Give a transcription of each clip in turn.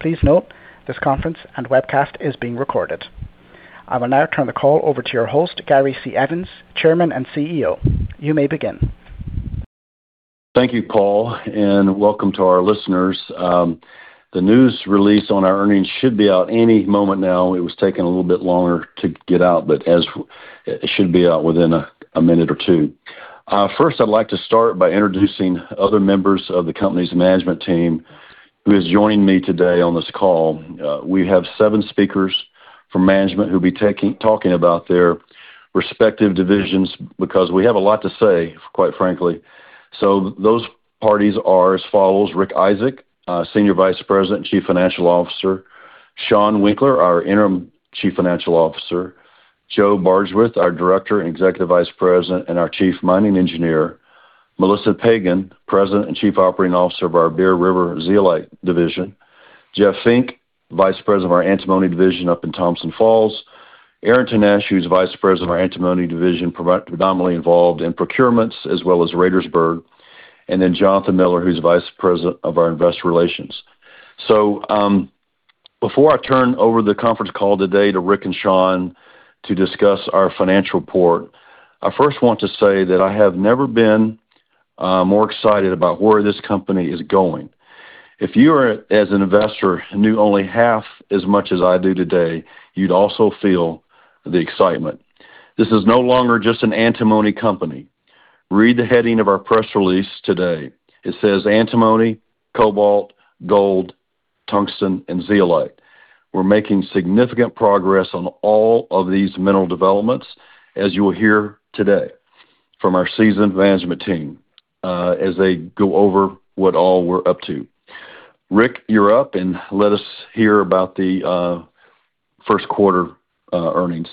Please note this conference and webcast is being recorded. I will now turn the call over to your host, Gary C. Evans, Chairman and CEO. You may begin. Thank you, Paul, and welcome to our listeners. The news release on our earnings should be out any moment now. It was taking a little bit longer to get out, but it should be out within a minute or two. First, I'd like to start by introducing other members of the company's management team who has joined me today on this call. We have seven speakers from management who'll be talking about their respective divisions because we have a lot to say, quite frankly. Those parties are as follows: Rick Isaak, Senior Vice President and Chief Financial Officer, Shawn Winkler, our Interim Chief Financial Officer, Joe Bardswich, our Director and Executive Vice President and our Chief Mining Engineer, Melissa Pagen, President and Chief Operating Officer of our Bear River Zeolite division, Jeff Fink, Vice President of our Antimony division up in Thompson Falls, Aaron Tenesch, who's Vice President of our Antimony division, predominantly involved in procurements as well as Radersburg, and then Jonathan Miller, who's Vice President of our Investor Relations. Before I turn over the conference call today to Rick and Shawn to discuss our financial report, I first want to say that I have never been more excited about where this company is going. If you are, as an investor, knew only half as much as I do today, you'd also feel the excitement. This is no longer just an antimony company. Read the heading of our press release today. It says antimony, cobalt, gold, tungsten, and zeolite. We're making significant progress on all of these mineral developments, as you will hear today from our seasoned management team, as they go over what all we're up to. Rick, you're up, and let us hear about the first quarter earnings.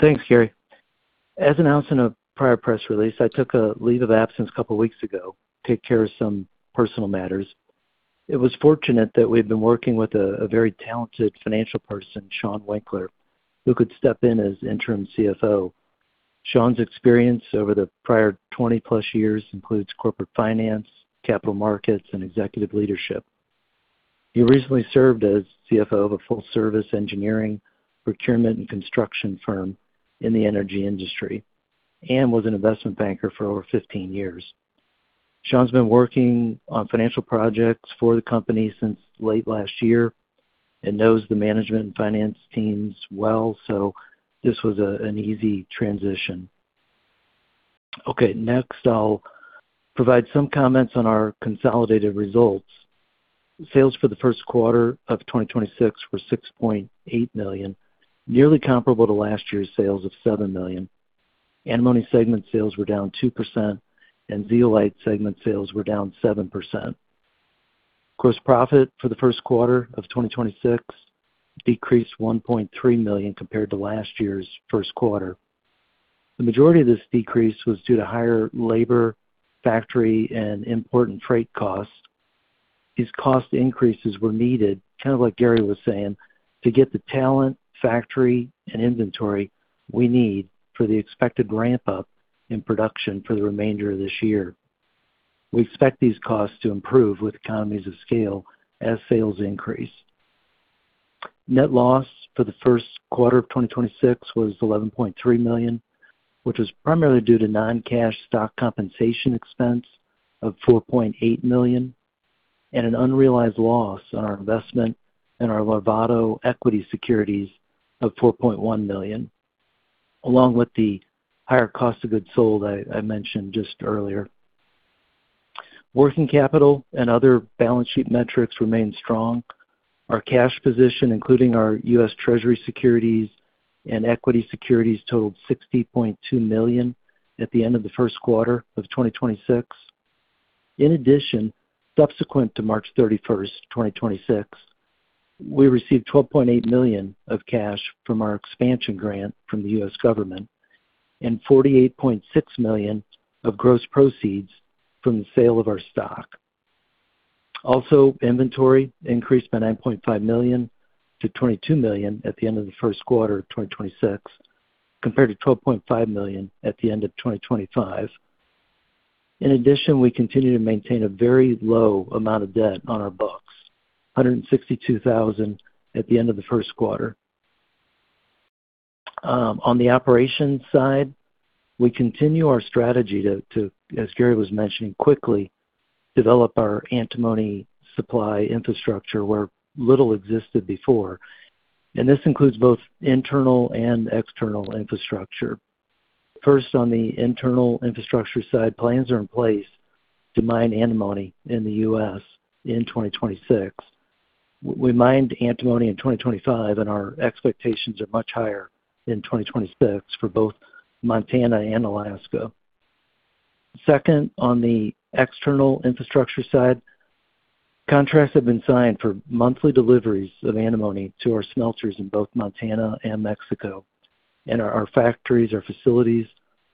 Thanks, Gary. As announced in a prior press release, I took a leave of absence a couple weeks ago to take care of some personal matters. It was fortunate that we've been working with a very talented financial person, Shawn Winkler, who could step in as Interim CFO. Shawn's experience over the prior 20+ years includes Corporate Finance, Capital Markets, and Executive leadership. He recently served as CFO of a full-service Engineering, Procurement, and Construction firm in the energy industry and was an Investment Banker for over 15 years. Shawn's been working on financial projects for the company since late last year and knows the management and finance teams well. This was an easy transition. Okay. Next, I'll provide some comments on our consolidated results. Sales for the first quarter of 2026 were $6.8 million, nearly comparable to last year's sales of $7 million. Antimony segment sales were down 2%, and zeolite segment sales were down 7%. Gross profit for the first quarter of 2026 decreased $1.3 million compared to last year's first quarter. The majority of this decrease was due to higher labor, factory, and import freight costs. These cost increases were needed, kind of like Gary was saying, to get the talent, factory, and inventory we need for the expected ramp-up in production for the remainder of this year. We expect these costs to improve with economies of scale as sales increase. Net loss for the first quarter of 2026 was $11.3 million, which was primarily due to non-cash stock compensation expense of $4.8 million and an unrealized loss on our investment in our Larvotto Equity securities of $4.1 million, along with the higher cost of goods sold I mentioned just earlier. Working capital and other balance sheet metrics remain strong. Our cash position, including our U.S. Treasury securities and equity securities, totaled $60.2 million at the end of the first quarter of 2026. In addition, subsequent to March 31st, 2026, we received $12.8 million of cash from our expansion grant from the U.S. government and $48.6 million of gross proceeds from the sale of our stock. Inventory increased by $9.5 million to $22 million at the end of the first quarter of 2026, compared to $12.5 million at the end of 2025. We continue to maintain a very low amount of debt on our books, $162,000 at the end of the first quarter. On the operations side, we continue our strategy as Gary was mentioning, quickly develop our antimony supply infrastructure where little existed before. This includes both internal and external infrastructure. First, on the internal infrastructure side, plans are in place to mine antimony in the U.S. in 2026. We mined antimony in 2025, and our expectations are much higher in 2026 for both Montana and Alaska. Second, on the external infrastructure side, contracts have been signed for monthly deliveries of antimony to our smelters in both Montana and Mexico, our factories, our facilities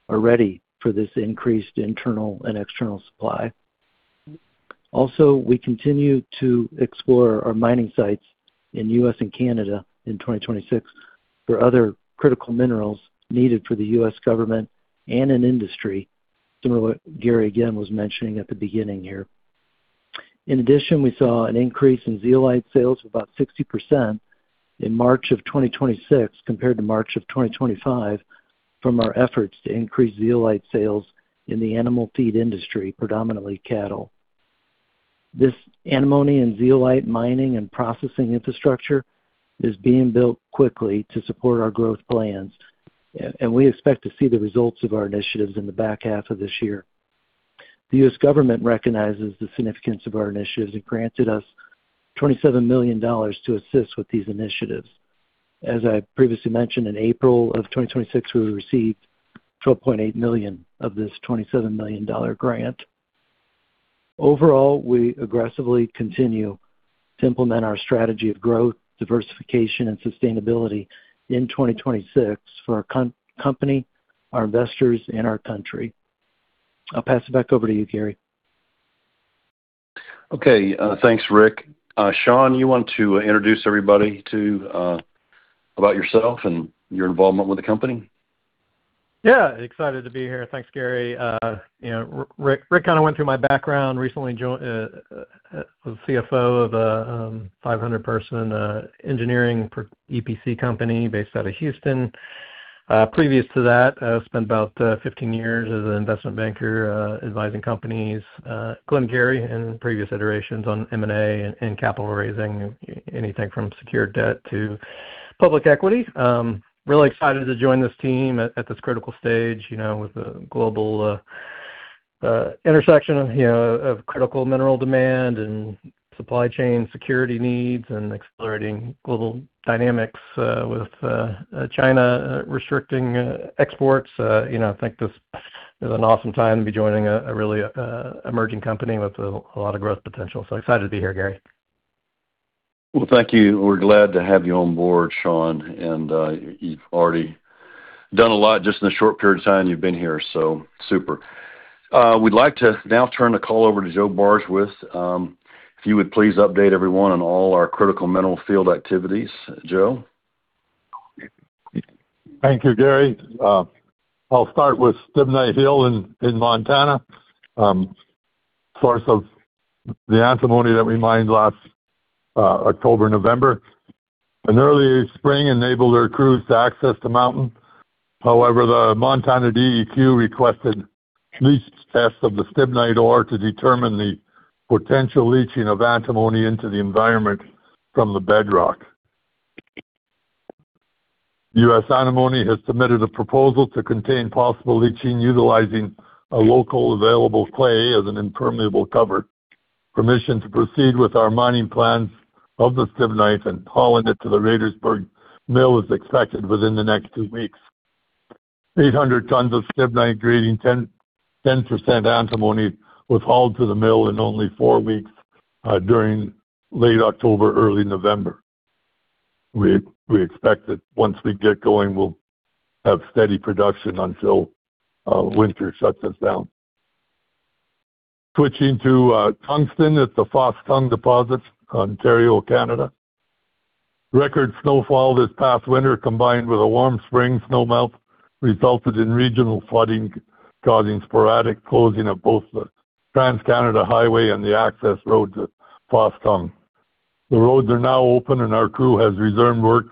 are ready for this increased internal and external supply. Also, we continue to explore our mining sites in U.S. and Canada in 2026 for other critical minerals needed for the U.S. government and in industry. Similar to what Gary again was mentioning at the beginning here. In addition, we saw an increase in zeolite sales of about 60% in March of 2026 compared to March of 2025 from our efforts to increase zeolite sales in the animal feed industry, predominantly cattle. This antimony and zeolite mining and processing infrastructure is being built quickly to support our growth plans. We expect to see the results of our initiatives in the back half of this year. The U.S. government recognizes the significance of our initiatives and granted us $27 million to assist with these initiatives. As I previously mentioned, in April of 2026, we received $12.8 million of this $27 million grant. Overall, we aggressively continue to implement our strategy of growth, diversification, and sustainability in 2026 for our company, our investors, and our country. I'll pass it back over to you, Gary. Okay. thanks, Rick. Shawn, you want to introduce everybody to, about yourself and your involvement with the company? Yeah. Excited to be here. Thanks, Gary. You know, Rick kind of went through my background. Recently joined, was CFO of a 500 person engineering EPC company based out of Houston. Previous to that, I spent about 15 years as an Investment Banker, advising companies, including Gary in previous iterations on M&A and capital raising, anything from secured debt to public equity. Really excited to join this team at this critical stage, you know, with the global intersection, you know, of critical mineral demand and supply chain security needs and accelerating global dynamics, with China restricting exports. You know, I think this is an awesome time to be joining a really emerging company with a lot of growth potential. Excited to be here, Gary. Well, thank you. We're glad to have you on board, Shawn. You've already done a lot just in the short period of time you've been here. Super. We'd like to now turn the call over to Joe Bardswich. If you would please update everyone on all our critical mineral field activities. Joe. Thank you, Gary. I'll start with Stibnite Hill in Montana, source of the antimony that we mined last October, November. An early spring enabled our crews to access the mountain. However, the Montana DEQ requested leach tests of the stibnite ore to determine the potential leaching of antimony into the environment from the bedrock. US Antimony has submitted a proposal to contain possible leaching utilizing a local available clay as an impermeable cover. Permission to proceed with our mining plans of the stibnite and hauling it to the Radersburg Mill is expected within the next two weeks. 800 tons of stibnite grading 10% antimony was hauled to the mill in only four weeks during late October, early November. We expect that once we get going, we'll have steady production until winter shuts us down. Switching to tungsten at the Fostung deposits, Ontario, Canada. Record snowfall this past winter, combined with a warm spring snowmelt, resulted in regional flooding, causing sporadic closing of both the Trans-Canada Highway and the access road to Fostung. The roads are now open, and our crew has resumed work,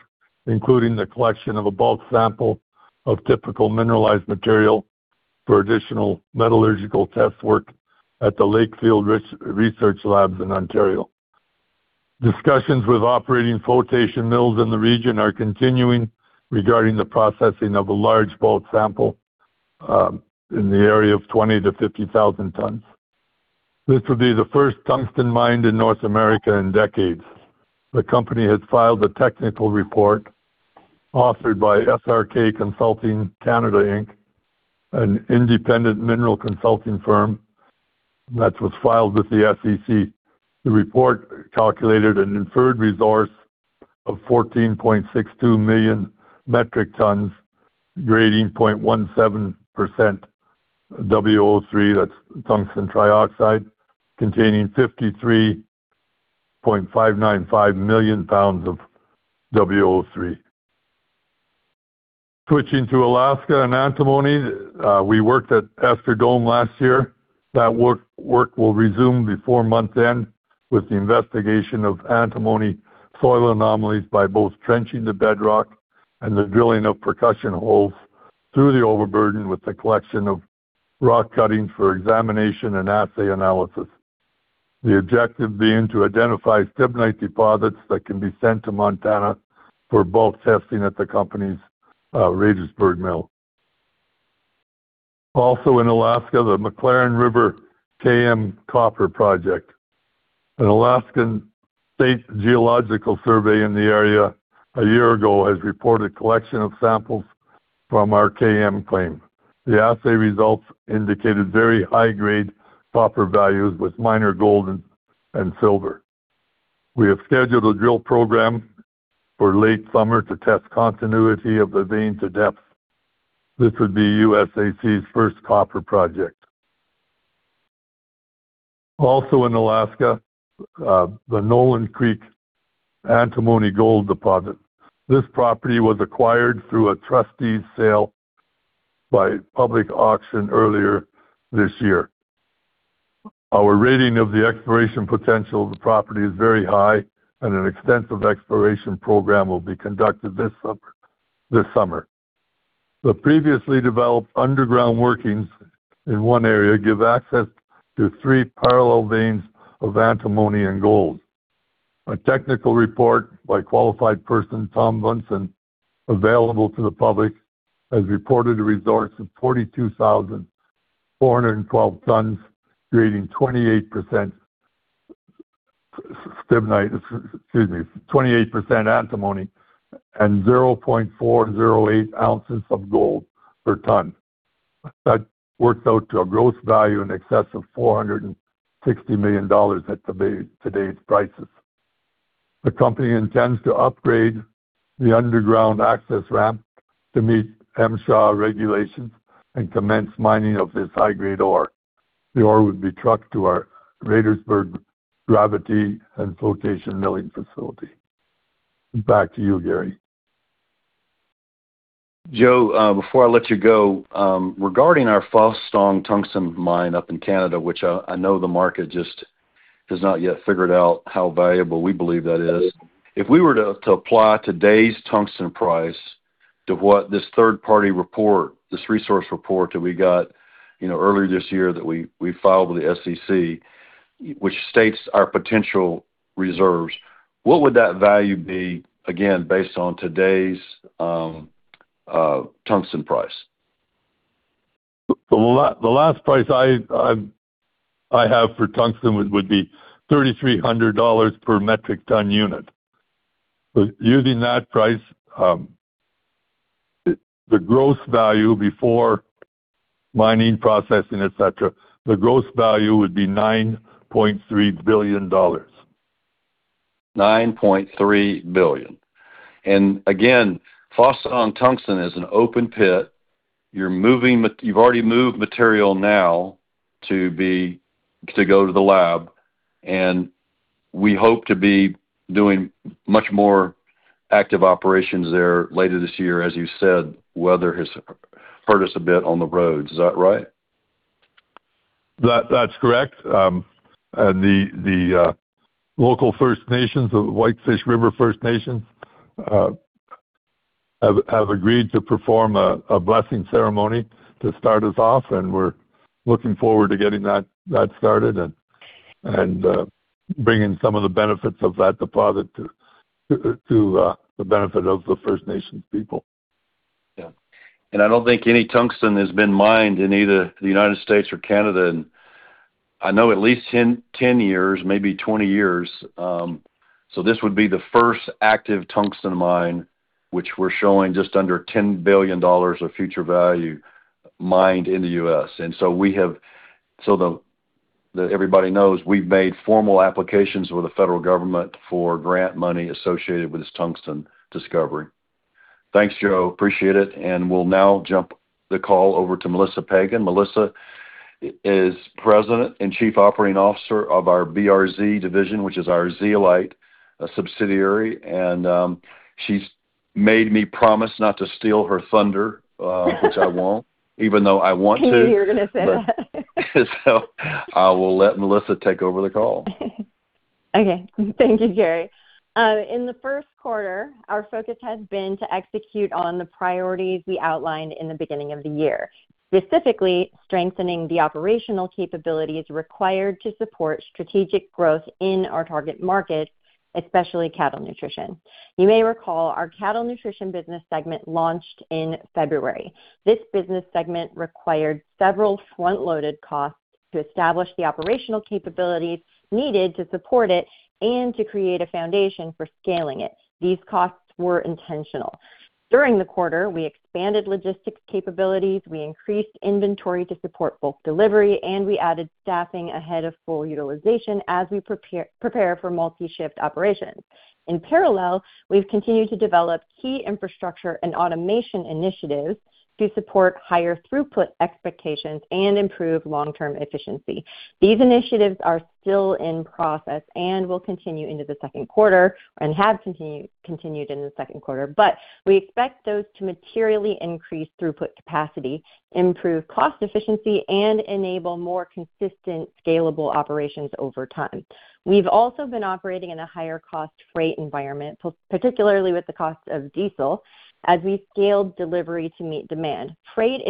including the collection of a bulk sample of typical mineralized material for additional metallurgical test work at the SGS Lakefield in Ontario. Discussions with operating flotation mills in the region are continuing regarding the processing of a large bulk sample in the area of 20,000 tons-50,000 tons. This will be the first tungsten mine in North America in decades. The company has filed a technical report authored by SRK Consulting (Canada) Inc., an independent mineral consulting firm. That was filed with the SEC. The report calculated an inferred resource of 14.62 million metric tons grading 0.17% WO3, that's tungsten trioxide, containing 53.595 million pounds of WO3. Switching to Alaska and antimony. We worked at Ester Dome last year. That work will resume before month end with the investigation of antimony soil anomalies by both trenching the bedrock and the drilling of percussion holes through the overburden with the collection of rock cuttings for examination and assay analysis. The objective being to identify stibnite deposits that can be sent to Montana for bulk testing at the company's Radersburg Mill. Also in Alaska, the Maclaren River K-M copper prospect. An Alaskan state geological survey in the area a year ago has reported collection of samples from our K-M claim. The assay results indicated very high-grade copper values with minor gold and silver. We have scheduled a drill program for late summer to test continuity of the vein to depth. This would be USAC's first copper project. In Alaska, the Nolan Creek antimony gold deposit. This property was acquired through a trustee sale by public auction earlier this year. Our rating of the exploration potential of the property is very high, and an extensive exploration program will be conducted this summer. The previously developed underground workings in one area give access to three parallel veins of antimony and gold. A technical report by qualified person, Tom Vinson, available to the public, has reported a resource of 42,412 tons grading 28% antimony and 0.408 ounces of gold per ton. That works out to a gross value in excess of $460 million at today's prices. The company intends to upgrade the underground access ramp to meet MSHA regulations and commence mining of this high-grade ore. The ore would be trucked to our Radersburg gravity and flotation milling facility. Back to you, Gary. Joe, before I let you go, regarding our Fostung tungsten mine up in Canada, which I know the market just has not yet figured out how valuable we believe that is. If we were to apply today's tungsten price to what this third-party report, this resource report that we got, you know, earlier this year that we filed with the SEC, which states our potential reserves, what would that value be, again, based on today's tungsten price? The last price I have for tungsten would be $3,300 per metric ton unit. Using that price, the gross value before mining, processing, etc, the gross value would be $9.3 billion. $9.3 billion. Again, Fostung tungsten is an open pit. You've already moved material now to go to the lab, and we hope to be doing much more active operations there later this year. As you said, weather has hurt us a bit on the roads. Is that right? That's correct. And the local First Nations, the Whitefish River First Nation, have agreed to perform a blessing ceremony to start us off, and we're looking forward to getting that started and bringing some of the benefits of that deposit to the benefit of the First Nations people. Yeah. I don't think any tungsten has been mined in either the United States or Canada in, I know at least 10 years, maybe 20 years. This would be the first active tungsten mine, which we're showing just under $10 billion of future value mined in the U.S. We have everybody knows, we've made formal applications with the federal government for grant money associated with this tungsten discovery. Thanks, Joe. Appreciate it, and we'll now jump the call over to Melissa Pagen. Melissa is President and Chief Operating Officer of our BRZ division, which is our zeolite subsidiary. She's made me promise not to steal her thunder, which I won't, even though I want to. I knew you were gonna say that. I will let Melissa take over the call. Okay. Thank you, Gary. In the first quarter, our focus has been to execute on the priorities we outlined in the beginning of the year, specifically strengthening the operational capabilities required to support strategic growth in our target market, especially cattle nutrition. You may recall our cattle nutrition business segment launched in February. This business segment required several front-loaded costs to establish the operational capabilities needed to support it and to create a foundation for scaling it. These costs were intentional. During the quarter, we expanded logistics capabilities, we increased inventory to support bulk delivery, and we added staffing ahead of full utilization as we prepare for multi-shift operations. In parallel, we've continued to develop key infrastructure and automation initiatives to support higher throughput expectations and improve long-term efficiency. These initiatives are still in process and will continue into the second quarter and have continued in the second quarter. We expect those to materially increase throughput capacity, improve cost efficiency and enable more consistent scalable operations over time. We've also been operating in a higher cost freight environment, particularly with the cost of diesel, as we scaled delivery to meet demand. Freight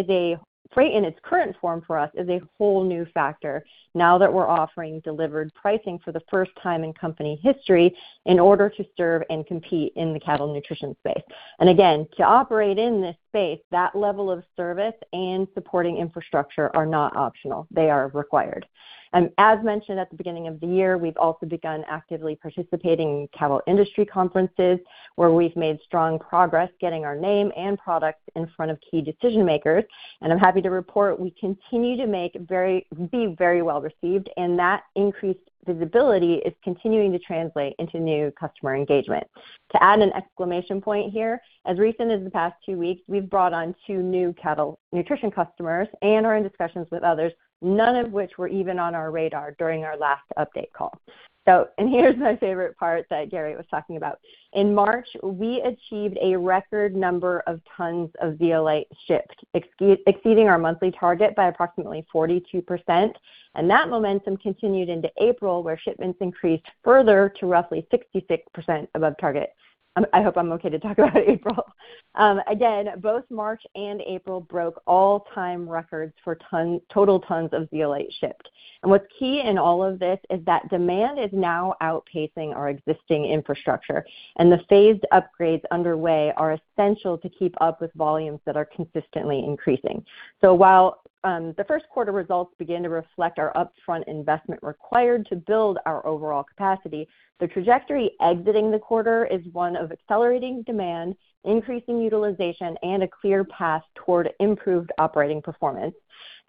in its current form for us is a whole new factor now that we're offering delivered pricing for the first time in company history in order to serve and compete in the cattle nutrition space. Again, to operate in this space, that level of service and supporting infrastructure are not optional. They are required. As mentioned at the beginning of the year, we've also begun actively participating in cattle industry conferences where we've made strong progress getting our name and product in front of key decision-makers. I'm happy to report we continue to be very well-received, and that increased visibility is continuing to translate into new customer engagement. To add an exclamation point here, as recent as the past two weeks, we've brought on two new cattle nutrition customers and are in discussions with others, none of which were even on our radar during our last update call. Here's my favorite part that Gary was talking about. In March, we achieved a record number of tons of zeolite shipped, exceeding our monthly target by approximately 42%. That momentum continued into April, where shipments increased further to roughly 66% above target. I hope I'm okay to talk about April. Again, both March and April broke all-time records for total tons of zeolite shipped. What's key in all of this is that demand is now outpacing our existing infrastructure, and the phased upgrades underway are essential to keep up with volumes that are consistently increasing. While the first quarter results begin to reflect our upfront investment required to build our overall capacity, the trajectory exiting the quarter is one of accelerating demand, increasing utilization, and a clear path toward improved operating performance.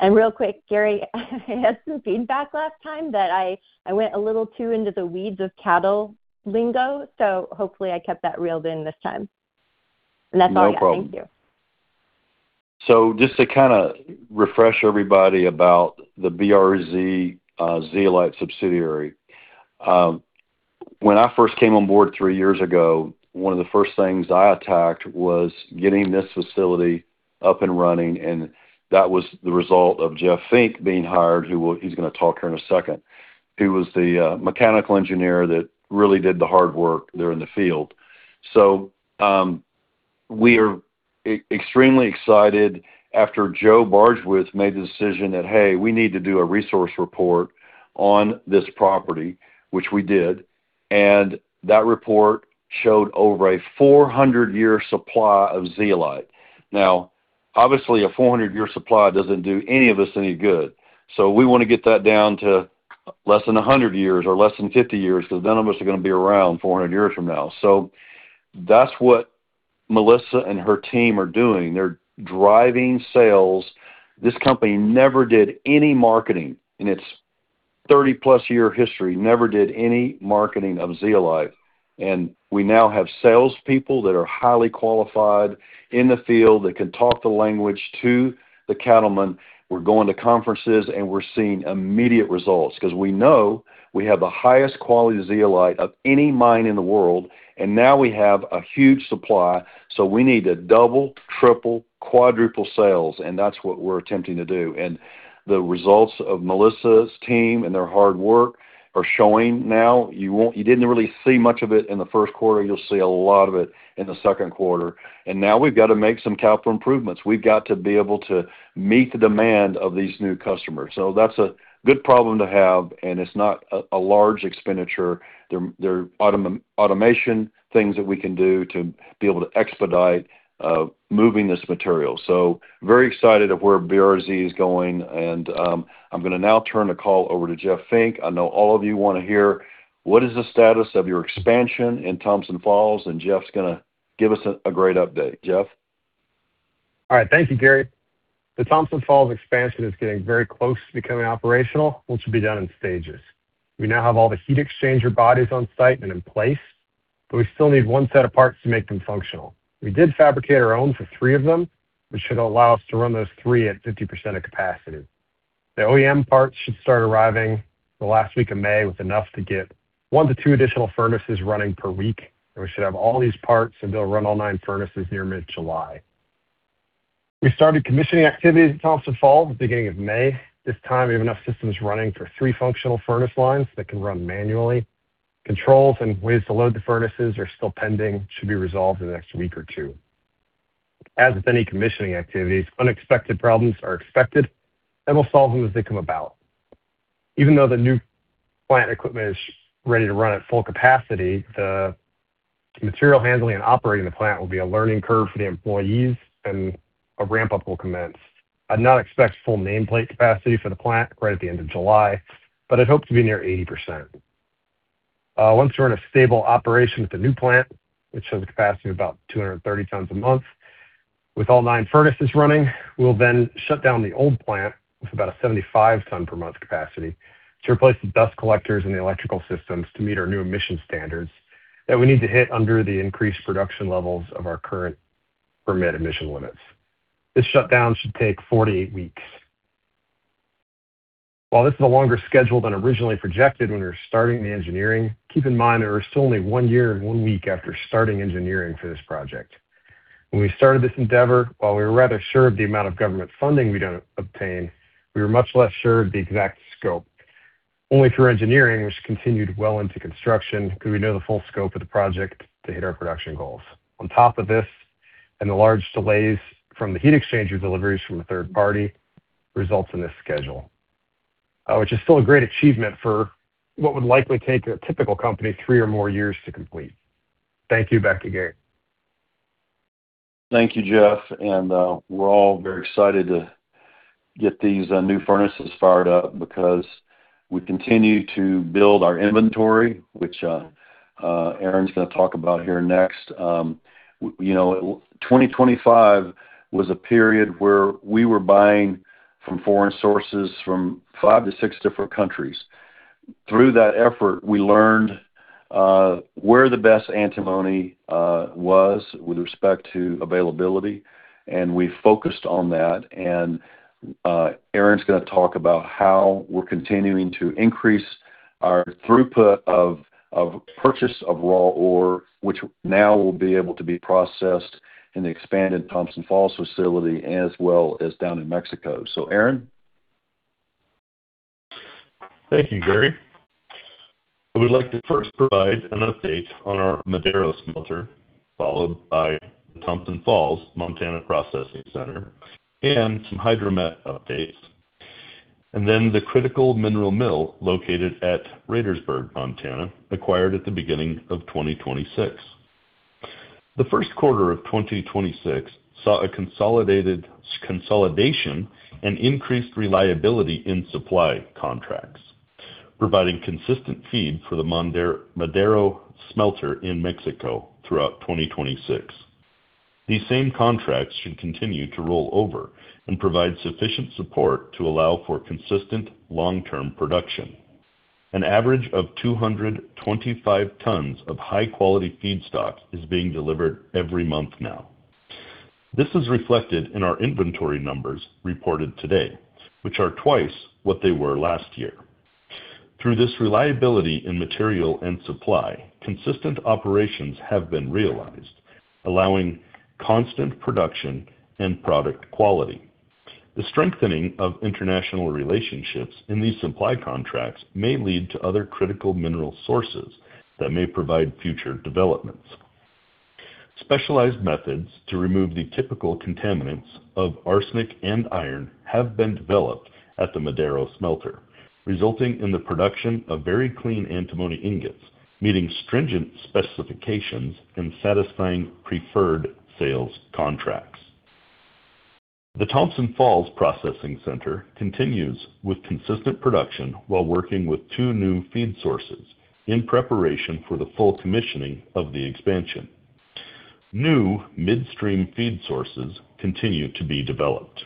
Real quick, Gary, I had some feedback last time that I went a little too into the weeds of cattle lingo, hopefully I kept that reeled in this time. That's all. Thank you. No problem. Just to kind of refresh everybody about the BRZ zeolite subsidiary. When I first came on board three years ago, one of the first things I attacked was getting this facility up and running, and that was the result of Jeff Fink being hired, who he's going to talk here in a second. He was the mechanical engineer that really did the hard work there in the field. We are extremely excited after Joe Bardswich made the decision that, hey, we need to do a resource report on this property, which we did, and that report showed over a 400-year supply of zeolite. Obviously, a 400-year supply doesn't do any of us any good. We wanna get that down to less than 100 years or less than 50 years, cause none of us are gonna be around 400 years from now. That's what Melissa and her team are doing. They're driving sales. This company never did any marketing in its 30+ year history, never did any marketing of zeolite. We now have salespeople that are highly qualified in the field that can talk the language to the cattlemen. We're going to conferences, and we're seeing immediate results cause we know we have the highest quality zeolite of any mine in the world, and now we have a huge supply, so we need to double, triple, quadruple sales, and that's what we're attempting to do. The results of Melissa's team and their hard work are showing now. You didn't really see much of it in the first quarter. You'll see a lot of it in the second quarter. Now we've got to make some capital improvements. We've got to be able to meet the demand of these new customers. That's a good problem to have, and it's not a large expenditure. There are automation things that we can do to be able to expedite moving this material. Very excited of where BRZ is going. I'm gonna now turn the call over to Jeff Fink. I know all of you wanna hear what is the status of your expansion in Thompson Falls, and Jeff's gonna give us a great update. Jeff. All right. Thank you, Gary. The Thompson Falls expansion is getting very close to becoming operational, which will be done in stages. We now have all the heat exchanger bodies on site and in place, but we still need one set of parts to make them functional. We did fabricate our own for three of them, which should allow us to run those three at 50% of capacity. The OEM parts should start arriving the last week of May with enough to get one to two additional furnaces running per week. We should have all these parts, and they will run all 9 furnaces near mid-July. We started commissioning activities at Thompson Falls at the beginning of May. This time, we have enough systems running for three functional furnace lines that can run manually. Controls and ways to load the furnaces are still pending, should be resolved in the next one or two weeks. As with any commissioning activities, unexpected problems are expected, and we'll solve them as they come about. Even though the new plant equipment is ready to run at full capacity, the material handling and operating the plant will be a learning curve for the employees, and a ramp-up will commence. I'd not expect full nameplate capacity for the plant right at the end of July, but I'd hope to be near 80%. Once we're in a stable operation with the new plant, which has a capacity of about 230 tons a month with all nine furnaces running, we'll then shut down the old plant with about a 75 ton per month capacity to replace the dust collectors and the electrical systems to meet our new emission standards that we need to hit under the increased production levels of our current permit emission limits. This shutdown should take four to eight weeks. While this is a longer schedule than originally projected when we were starting the engineering, keep in mind that we're still only one year and one week after starting engineering for this project. When we started this endeavor, while we were rather sure of the amount of government funding we'd obtain, we were much less sure of the exact scope. Only through engineering, which continued well into construction, could we know the full scope of the project to hit our production goals. On top of this, the large delays from the heat exchanger deliveries from a third party results in this schedule, which is still a great achievement for what would likely take a typical company three or more years to complete. Thank you. Back to Gary. Thank you, Jeff, and we're all very excited to get these new furnaces fired up because we continue to build our inventory, which Aaron Tenesch's going to talk about here next. You know, 2025 was a period where we were buying from foreign sources from five to six different countries. Through that effort, we learned where the best antimony was with respect to availability, and we focused on that. Aaron Tenesch's going to talk about how we're continuing to increase our throughput of purchase of raw ore, which now will be able to be processed in the expanded Thompson Falls facility as well as down in Mexico. Aaron Tenesch. Thank you, Gary. I would like to first provide an update on our Madero smelter, followed by Thompson Falls Montana Processing Center and some hydromet updates, then the critical mineral mill located at Radersburg, Montana, acquired at the beginning of 2026. The first quarter of 2026 saw a consolidated consolidation and increased reliability in supply contracts, providing consistent feed for the Madero smelter in Mexico throughout 2026. These same contracts should continue to roll over and provide sufficient support to allow for consistent long-term production. An average of 225 tons of high-quality feedstock is being delivered every month now. This is reflected in our inventory numbers reported today, which are twice what they were last year. Through this reliability in material and supply, consistent operations have been realized, allowing constant production and product quality. The strengthening of international relationships in these supply contracts may lead to other critical mineral sources that may provide future developments. Specialized methods to remove the typical contaminants of arsenic and iron have been developed at the Madero smelter, resulting in the production of very clean antimony ingots, meeting stringent specifications and satisfying preferred sales contracts. The Thompson Falls Processing Center continues with consistent production while working with two new feed sources in preparation for the full commissioning of the expansion. New midstream feed sources continue to be developed.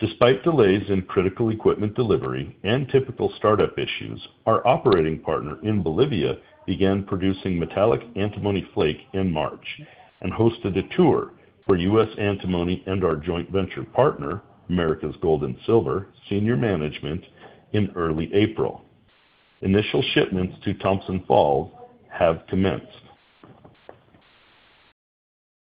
Despite delays in critical equipment delivery and typical startup issues, our operating partner in Bolivia began producing metallic antimony flake in March and hosted a tour for US Antimony and our joint venture partner, Americas Gold and Silver senior management in early April. Initial shipments to Thompson Falls have commenced.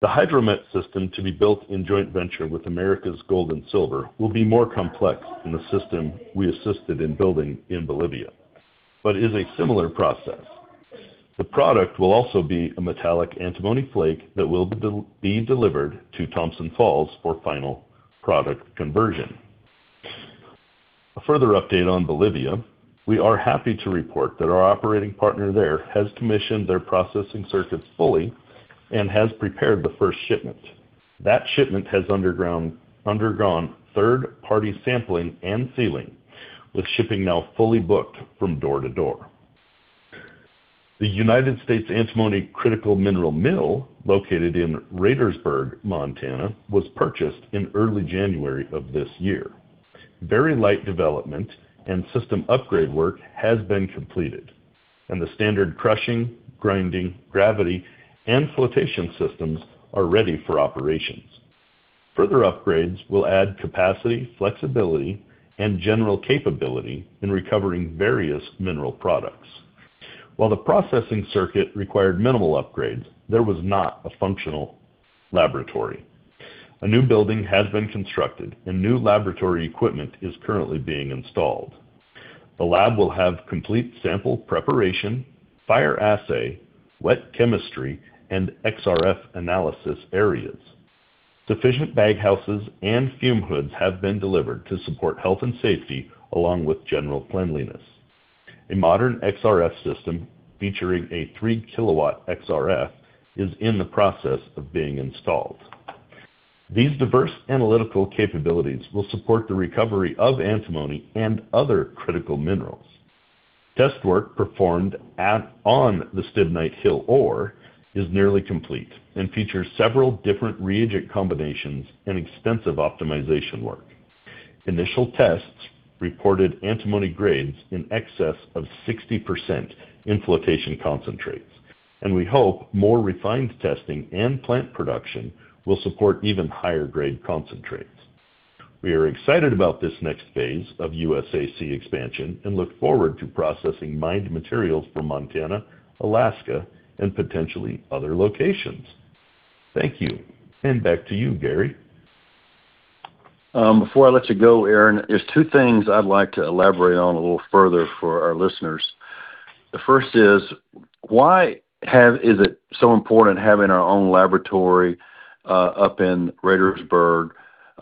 The hydromet system to be built in joint venture with Americas Gold and Silver will be more complex than the system we assisted in building in Bolivia, but is a similar process. The product will also be a metallic antimony flake that will be delivered to Thompson Falls for final product conversion. A further update on Bolivia, we are happy to report that our operating partner there has commissioned their processing circuits fully and has prepared the first shipment. That shipment has undergone third-party sampling and sealing, with shipping now fully booked from door to door. The United States Antimony Critical Mineral Mill, located in Radersburg, Montana, was purchased in early January of this year. Very light development and system upgrade work has been completed, and the standard crushing, grinding, gravity, and flotation systems are ready for operations. Further upgrades will add capacity, flexibility, and general capability in recovering various mineral products. While the processing circuit required minimal upgrades, there was not a functional laboratory. A new building has been constructed, and new laboratory equipment is currently being installed. The lab will have complete sample preparation, fire assay, wet chemistry, and XRF analysis areas. Sufficient baghouses and fume hoods have been delivered to support health and safety, along with general cleanliness. A modern XRF system featuring a 3 kW XRF is in the process of being installed. These diverse analytical capabilities will support the recovery of antimony and other critical minerals. Test work performed on the Stibnite Hill ore is nearly complete and features several different reagent combinations and extensive optimization work. Initial tests reported antimony grades in excess of 60% in flotation concentrates. We hope more refined testing and plant production will support even higher grade concentrates. We are excited about this next phase of USAC expansion and look forward to processing mined materials from Montana, Alaska, and potentially other locations. Thank you. Back to you, Gary. Before I let you go, Aaron, there's two things I'd like to elaborate on a little further for our listeners. The first is, why is it so important having our own laboratory up in Radersburg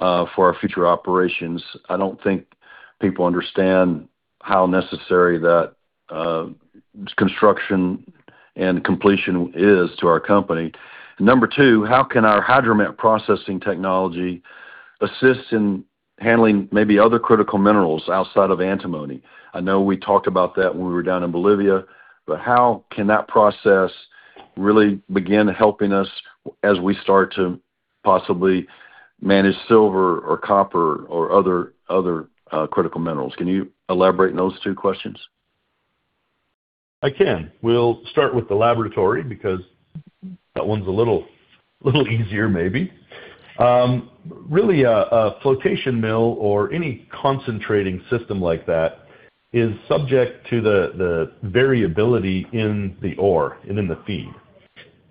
for our future operations? I don't think people understand how necessary that construction and completion is to our company. Number two, how can our hydrometallurgy processing technology assist in handling maybe other critical minerals outside of antimony? I know we talked about that when we were down in Bolivia, but how can that process really begin helping us as we start to possibly manage silver or copper or other critical minerals? Can you elaborate on those two questions? I can. We'll start with the laboratory because that one's a little easier maybe. Really, a flotation mill or any concentrating system like that is subject to the variability in the ore and in the feed.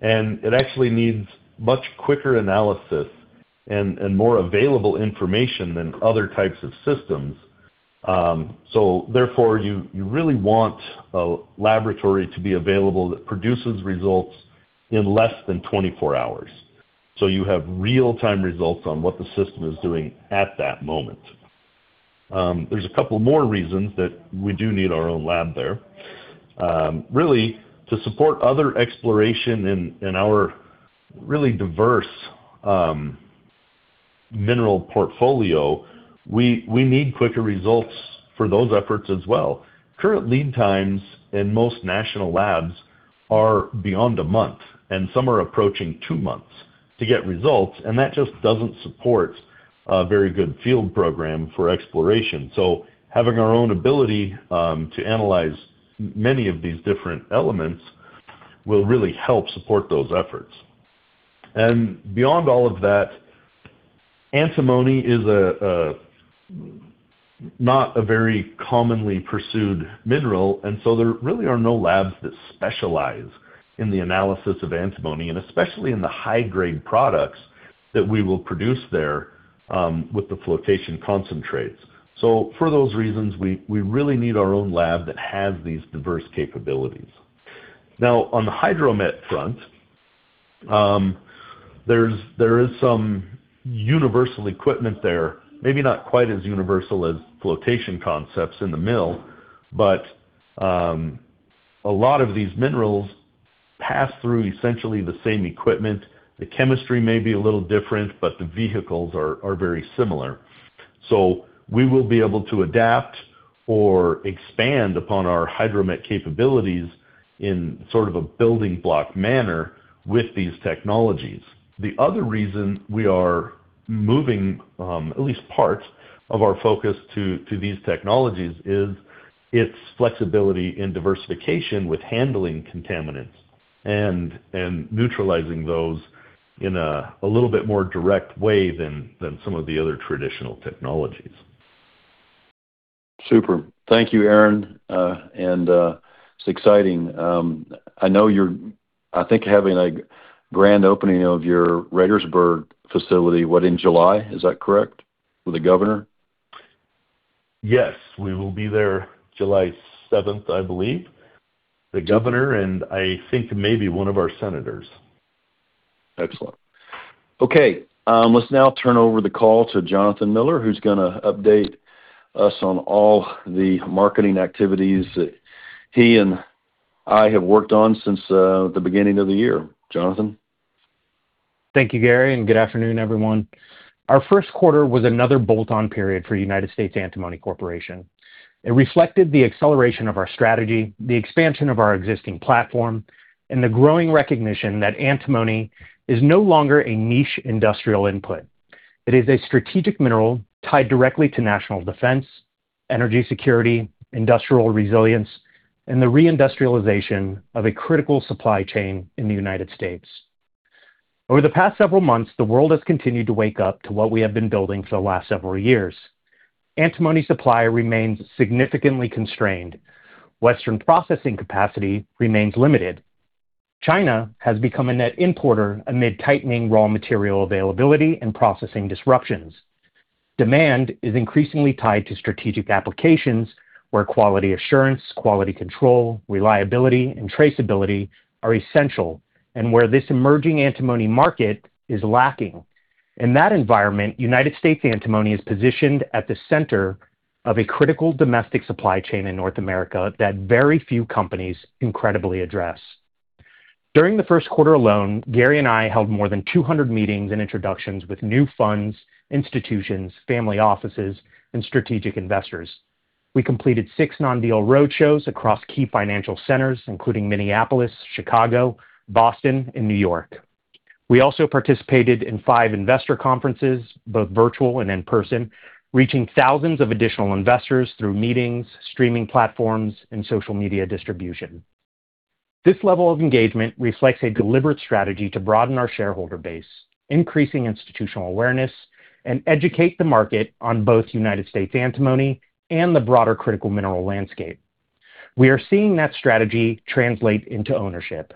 It actually needs much quicker analysis and more available information than other types of systems. Therefore you really want a laboratory to be available that produces results in less than 24 hours, so you have real-time results on what the system is doing at that moment. There's a couple more reasons that we do need our own lab there. Really to support other exploration in our really diverse mineral portfolio, we need quicker results for those efforts as well. Current lead times in most national labs are beyond a month, some are approaching two months to get results, that just doesn't support a very good field program for exploration. Having our own ability to analyze many of these different elements will really help support those efforts. Beyond all of that, antimony is a not a very commonly pursued mineral, there really are no labs that specialize in the analysis of antimony, especially in the high-grade products that we will produce there with the flotation concentrates. For those reasons, we really need our own lab that has these diverse capabilities. Now, on the hydrometallurgy front, there is some universal equipment there, maybe not quite as universal as flotation concepts in the mill, but a lot of these minerals pass through essentially the same equipment. The chemistry may be a little different, the vehicles are very similar. We will be able to adapt or expand upon our hydrometallurgy capabilities in sort of a building block manner with these technologies. The other reason we are moving at least parts of our focus to these technologies is its flexibility in diversification with handling contaminants and neutralizing those in a little bit more direct way than some of the other traditional technologies. Super. Thank you, Aaron. It's exciting. I know you're I think having a grand opening of your Radersburg facility, what, in July? Is that correct? With the Governor? Yes. We will be there July 7th, I believe. The Governor and I think maybe one of our Senators. Excellent. Okay. Let's now turn over the call to Jonathan Miller, who's gonna update us on all the marketing activities that he and I have worked on since the beginning of the year. Jonathan. Thank you, Gary. Good afternoon, everyone. Our first quarter was another bolt-on period for United States Antimony Corporation. It reflected the acceleration of our strategy, the expansion of our existing platform, and the growing recognition that antimony is no longer a niche industrial input. It is a strategic mineral tied directly to national defense, energy security, industrial resilience, and the reindustrialization of a critical supply chain in the United States. Over the past several months, the world has continued to wake up to what we have been building for the last several years. Antimony supply remains significantly constrained. Western processing capacity remains limited. China has become a net importer amid tightening raw material availability and processing disruptions. Demand is increasingly tied to strategic applications where quality assurance, quality control, reliability, and traceability are essential, and where this emerging antimony market is lacking. In that environment, United States Antimony is positioned at the center of a critical domestic supply chain in North America that very few companies incredibly address. During the first quarter alone, Gary and I held more than 200 meetings and introductions with new funds, institutions, family offices, and strategic investors. We completed six non-deal roadshows across key financial centers, including Minneapolis, Chicago, Boston, and New York. We also participated in five investor conferences, both virtual and in person, reaching thousands of additional investors through meetings, streaming platforms, and social media distribution. This level of engagement reflects a deliberate strategy to broaden our shareholder base, increasing institutional awareness, and educate the market on both United States Antimony and the broader critical mineral landscape. We are seeing that strategy translate into ownership.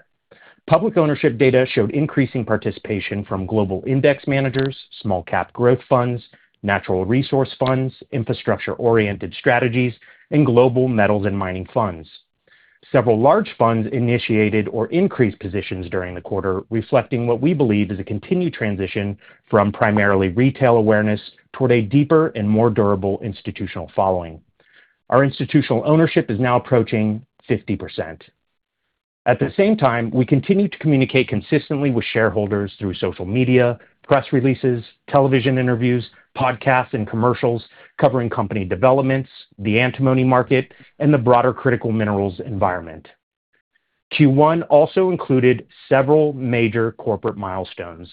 Public ownership data showed increasing participation from global index managers, small cap growth funds, natural resource funds, infrastructure oriented strategies, and global metals and mining funds. Several large funds initiated or increased positions during the quarter, reflecting what we believe is a continued transition from primarily retail awareness toward a deeper and more durable institutional following. Our institutional ownership is now approaching 50%. At the same time, we continue to communicate consistently with shareholders through social media, press releases, television interviews, podcasts, and commercials covering company developments, the antimony market, and the broader critical minerals environment. Q1 also included several major corporate milestones.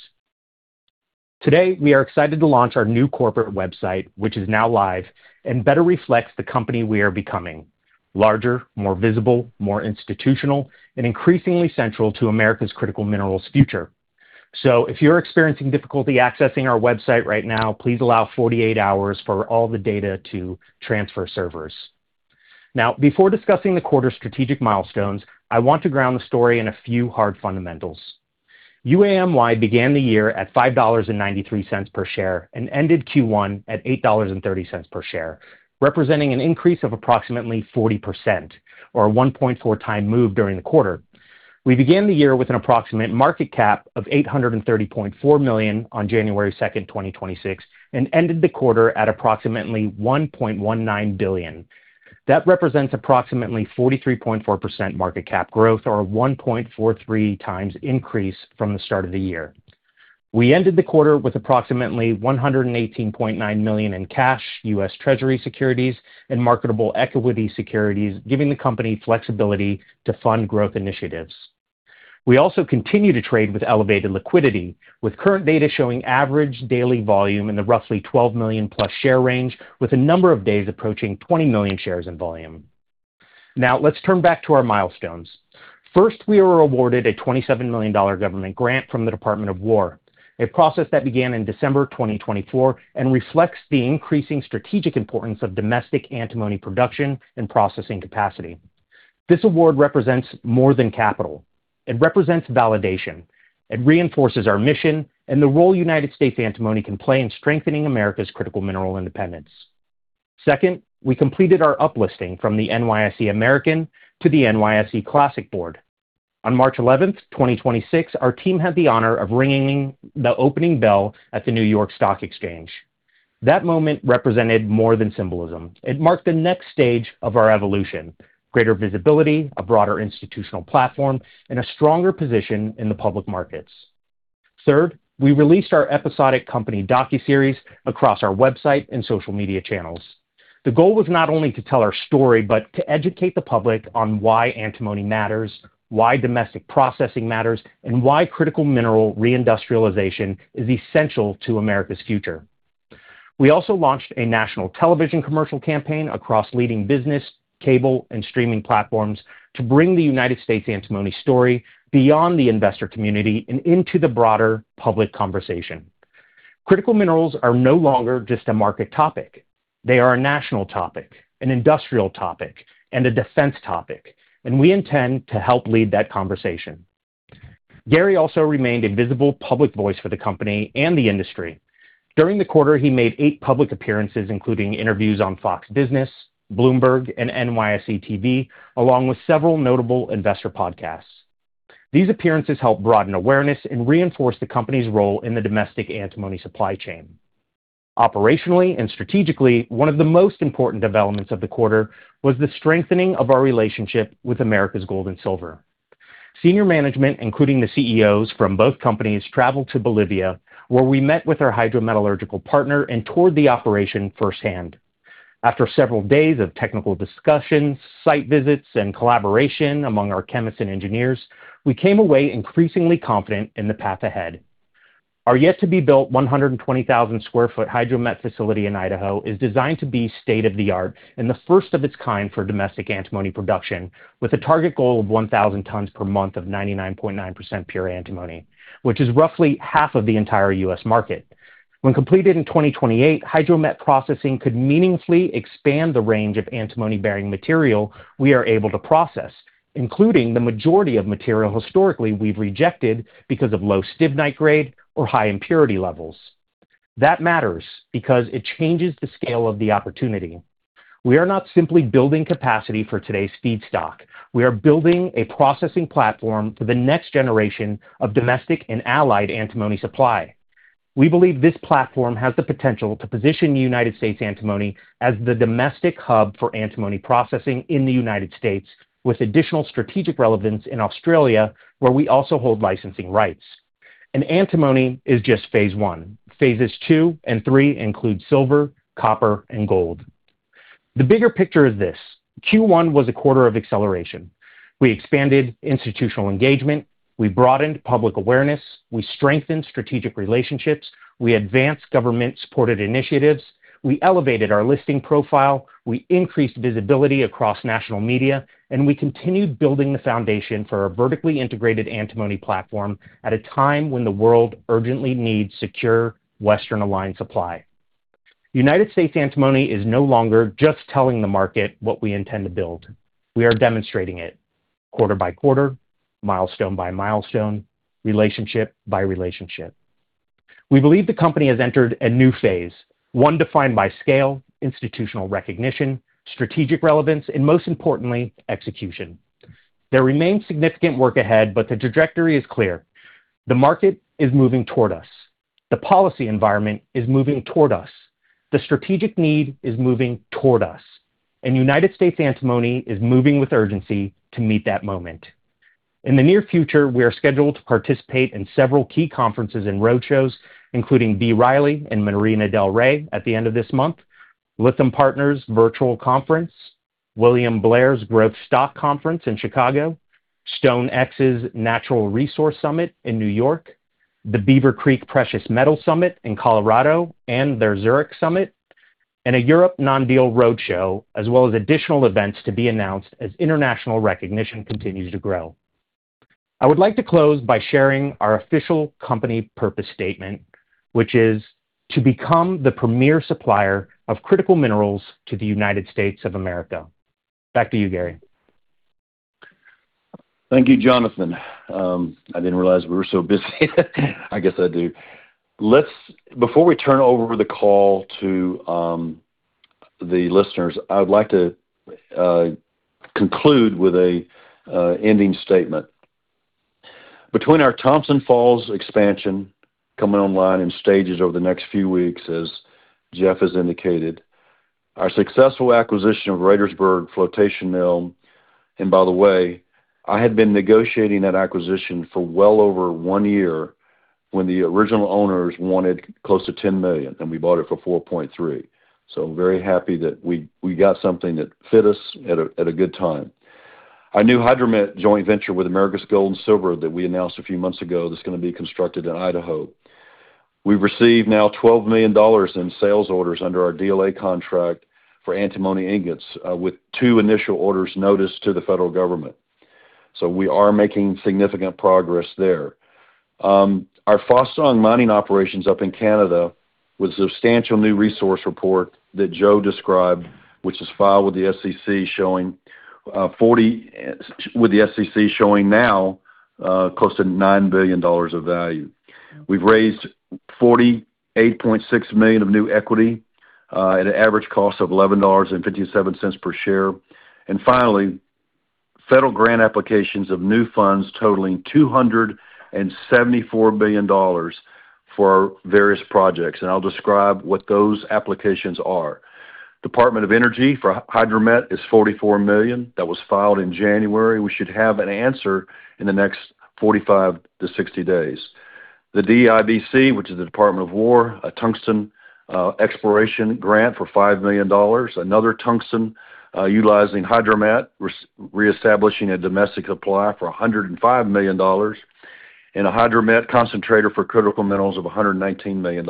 Today, we are excited to launch our new corporate website, which is now live and better reflects the company we are becoming: larger, more visible, more institutional, and increasingly central to America's critical minerals future. If you're experiencing difficulty accessing our website right now, please allow 48 hours for all the data to transfer servers. Before discussing the quarter strategic milestones, I want to ground the story in a few hard fundamentals. UAMY began the year at $5.93 per share and ended Q1 at $8.30 per share, representing an increase of approximately 40% or a 1.4x move during the quarter. We began the year with an approximate market cap of $830.4 million on January 2nd, 2026, and ended the quarter at approximately $1.19 billion. That represents approximately 43.4% market cap growth or 1.43x increase from the start of the year. We ended the quarter with approximately $118.9 million in cash, U.S. Treasury securities, and marketable equity securities, giving the company flexibility to fund growth initiatives. We also continue to trade with elevated liquidity, with current data showing average daily volume in the roughly 12 million-plus share range, with a number of days approaching 20 million shares in volume. Let's turn back to our milestones. First, we were awarded a $27 million government grant from the Department of War, a process that began in December 2024 and reflects the increasing strategic importance of domestic antimony production and processing capacity. This award represents more than capital. It represents validation. It reinforces our mission and the role United States Antimony can play in strengthening America's critical mineral independence. Second, we completed our uplisting from the NYSE American to the NYSE Classic Board. On March 11th, 2026, our team had the honor of ringing the opening bell at the New York Stock Exchange. That moment represented more than symbolism. It marked the next stage of our evolution, greater visibility, a broader institutional platform, and a stronger position in the public markets. Third, we released our episodic company docuseries across our website and social media channels. The goal was not only to tell our story, but to educate the public on why antimony matters, why domestic processing matters, and why critical mineral re-industrialization is essential to America's future. We also launched a national television commercial campaign across leading business, cable, and streaming platforms to bring the United States Antimony story beyond the investor community and into the broader public conversation. Critical minerals are no longer just a market topic. They are a national topic, an industrial topic, and a defense topic. We intend to help lead that conversation. Gary also remained a visible public voice for the company and the industry. During the quarter, he made eight public appearances, including interviews on Fox Business, Bloomberg, and NYSE TV, along with several notable investor podcasts. These appearances helped broaden awareness and reinforce the company's role in the domestic antimony supply chain. Operationally and strategically, one of the most important developments of the quarter was the strengthening of our relationship with Americas Gold and Silver. Senior management, including the CEOs from both companies, traveled to Bolivia, where we met with our hydrometallurgical partner and toured the operation firsthand. After several days of technical discussions, site visits, and collaboration among our chemists and engineers, we came away increasingly confident in the path ahead. Our yet to be built 120,000 sq ft hydromet facility in Idaho is designed to be state-of-the-art and the first of its kind for domestic antimony production with a target goal of 1,000 tons per month of 99.9% pure antimony, which is roughly half of the entire U.S. market. When completed in 2028, hydromet processing could meaningfully expand the range of antimony bearing material we are able to process, including the majority of material historically we've rejected because of low stibnite grade or high impurity levels. That matters because it changes the scale of the opportunity. We are not simply building capacity for today's feedstock. We are building a processing platform for the next generation of domestic and allied antimony supply. We believe this platform has the potential to position United States Antimony as the domestic hub for antimony processing in the U.S. with additional strategic relevance in Australia, where we also hold licensing rights. Antimony is just Phase 1. Phases 2 and 3 include silver, copper, and gold. The bigger picture is this. Q1 was a quarter of acceleration. We expanded institutional engagement. We broadened public awareness. We strengthened strategic relationships. We advanced government-supported initiatives. We elevated our listing profile. We increased visibility across national media. We continued building the foundation for a vertically integrated antimony platform at a time when the world urgently needs secure Western-aligned supply. United States Antimony is no longer just telling the market what we intend to build. We are demonstrating it quarter-by-quarter, milestone-by-milestone, relationship-by-relationship. We believe the company has entered a new phase, one defined by scale, institutional recognition, strategic relevance, and most importantly, execution. There remains significant work ahead, but the trajectory is clear. The market is moving toward us. The policy environment is moving toward us. The strategic need is moving toward us. United States Antimony is moving with urgency to meet that moment. In the near future, we are scheduled to participate in several key conferences and roadshows, including B. Riley in Marina del Rey at the end of this month, Lytham Partners virtual conference, William Blair's Growth Stock Conference in Chicago, StoneX's Natural Resource Summit in New York, the Beaver Creek Precious Metal Summit in Colorado and their Zurich Summit, and a Europe non-deal roadshow, as well as additional events to be announced as international recognition continues to grow. I would like to close by sharing our official company purpose statement, which is to become the premier supplier of critical minerals to the United States of America. Back to you, Gary. Thank you, Jonathan. I didn't realize we were so busy. I guess I do. Before we turn over the call to the listeners, I would like to conclude with a ending statement. Between our Thompson Falls expansion coming online in stages over the next few weeks, as Jeff has indicated, our successful acquisition of Radersburg Flotation Mill, and by the way, I had been negotiating that acquisition for well over one year when the original owners wanted close to $10 million, and we bought it for $4.3 million. Very happy that we got something that fit us at a good time. Our new hydromet joint venture with Americas Gold and Silver that we announced a few months ago that's gonna be constructed in Idaho. We've received now $12 million in sales orders under our DLA contract for antimony ingots, with two initial orders noticed to the federal government. We are making significant progress there. Our Fostung mining operations up in Canada with substantial new resource report that Joe Bardswich described, which is filed with the SEC showing close to $9 billion of value. We've raised $48.6 million of new equity at an average cost of $11.57 per share. Finally, federal grant applications of new funds totaling $274 billion for various projects, and I'll describe what those applications are. Department of Energy for hydromet is $44 million. That was filed in January. We should have an answer in the next 45 to 60 days. The DIBC, which is the Department of War, a tungsten exploration grant for $5 million. Another tungsten utilizing hydromet reestablishing a domestic supply for $105 million. A hydromet concentrator for critical minerals of $119 million.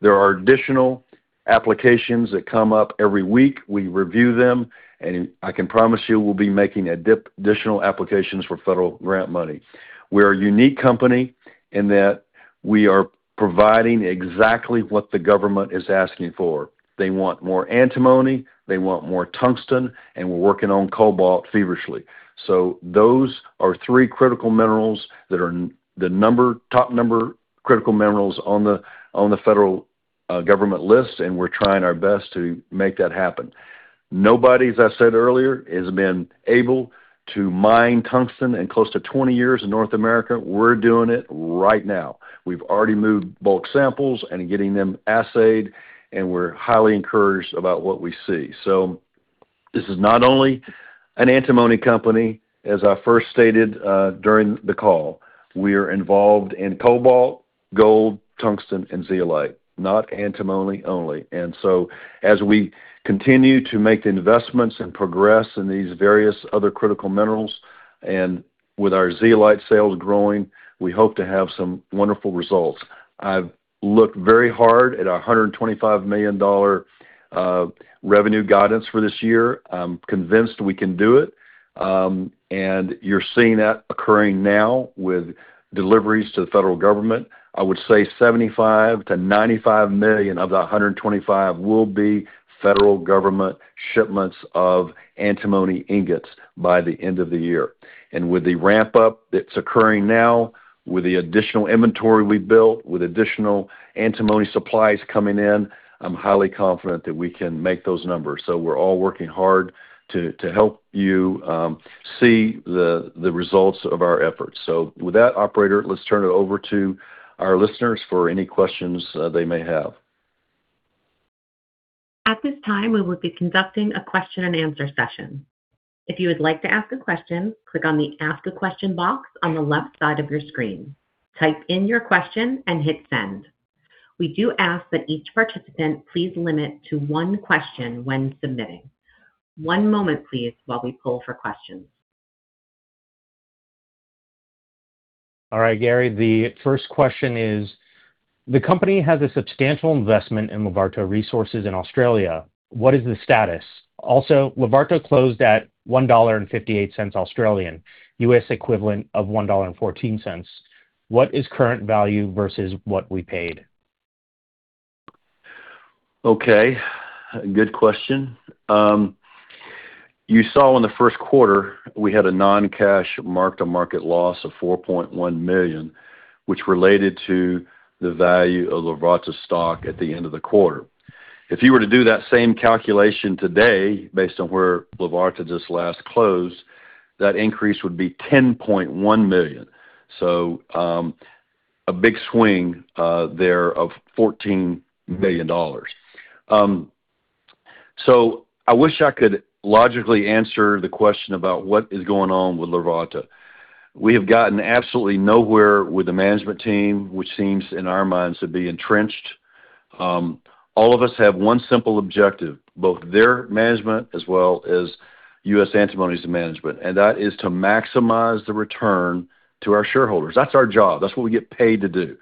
There are additional applications that come up every week. We review them, and I can promise you we'll be making additional applications for federal grant money. We're a unique company in that we are providing exactly what the government is asking for. They want more antimony, they want more tungsten, and we're working on cobalt feverishly. Those are three critical minerals that are the top critical minerals on the federal government list, and we're trying our best to make that happen. Nobody, as I said earlier, has been able to mine tungsten in close to 20 years in North America. We're doing it right now. We've already moved bulk samples and are getting them assayed, and we're highly encouraged about what we see. This is not only an antimony company, as I first stated, during the call. We are involved in cobalt, gold, tungsten, and zeolite, not antimony only. As we continue to make the investments and progress in these various other critical minerals, and with our zeolite sales growing, we hope to have some wonderful results. I've looked very hard at our $125 million revenue guidance for this year. I'm convinced we can do it. You're seeing that occurring now with deliveries to the federal government. I would say $75 million-$95 million of the $125 million will be federal government shipments of antimony ingots by the end of the year. With the ramp-up that's occurring now, with the additional inventory we've built, with additional antimony supplies coming in, I'm highly confident that we can make those numbers. We're all working hard to help you see the results of our efforts. With that, operator, let's turn it over to our listeners for any questions they may have. At this time, we will be conducting a question and answer session. If you would like to ask a question, click on the Ask a Question box on the left side of your screen. Type in your question and hit send. We do ask that each participant please limit to one question when submitting. One moment, please, while we poll for questions. All right, Gary, the first question is, the company has a substantial investment in Larvotto Resources in Australia. What is the status? Levata closed at 1.58 Australian dollars, U.S. equivalent of $1.14. What is current value versus what we paid? Good question. You saw in the first quarter, we had a non-cash mark-to-market loss of $4.1 million, which related to the value of Levata stock at the end of the quarter. If you were to do that same calculation today based on where Levata just last closed, that increase would be $10.1 million. A big swing there of $14 million. I wish I could logically answer the question about what is going on with Levata. We have gotten absolutely nowhere with the management team, which seems in our minds to be entrenched. All of us have one simple objective, both their management as well as US Antimony's management, and that is to maximize the return to our shareholders. That's our job. That's what we get paid to do.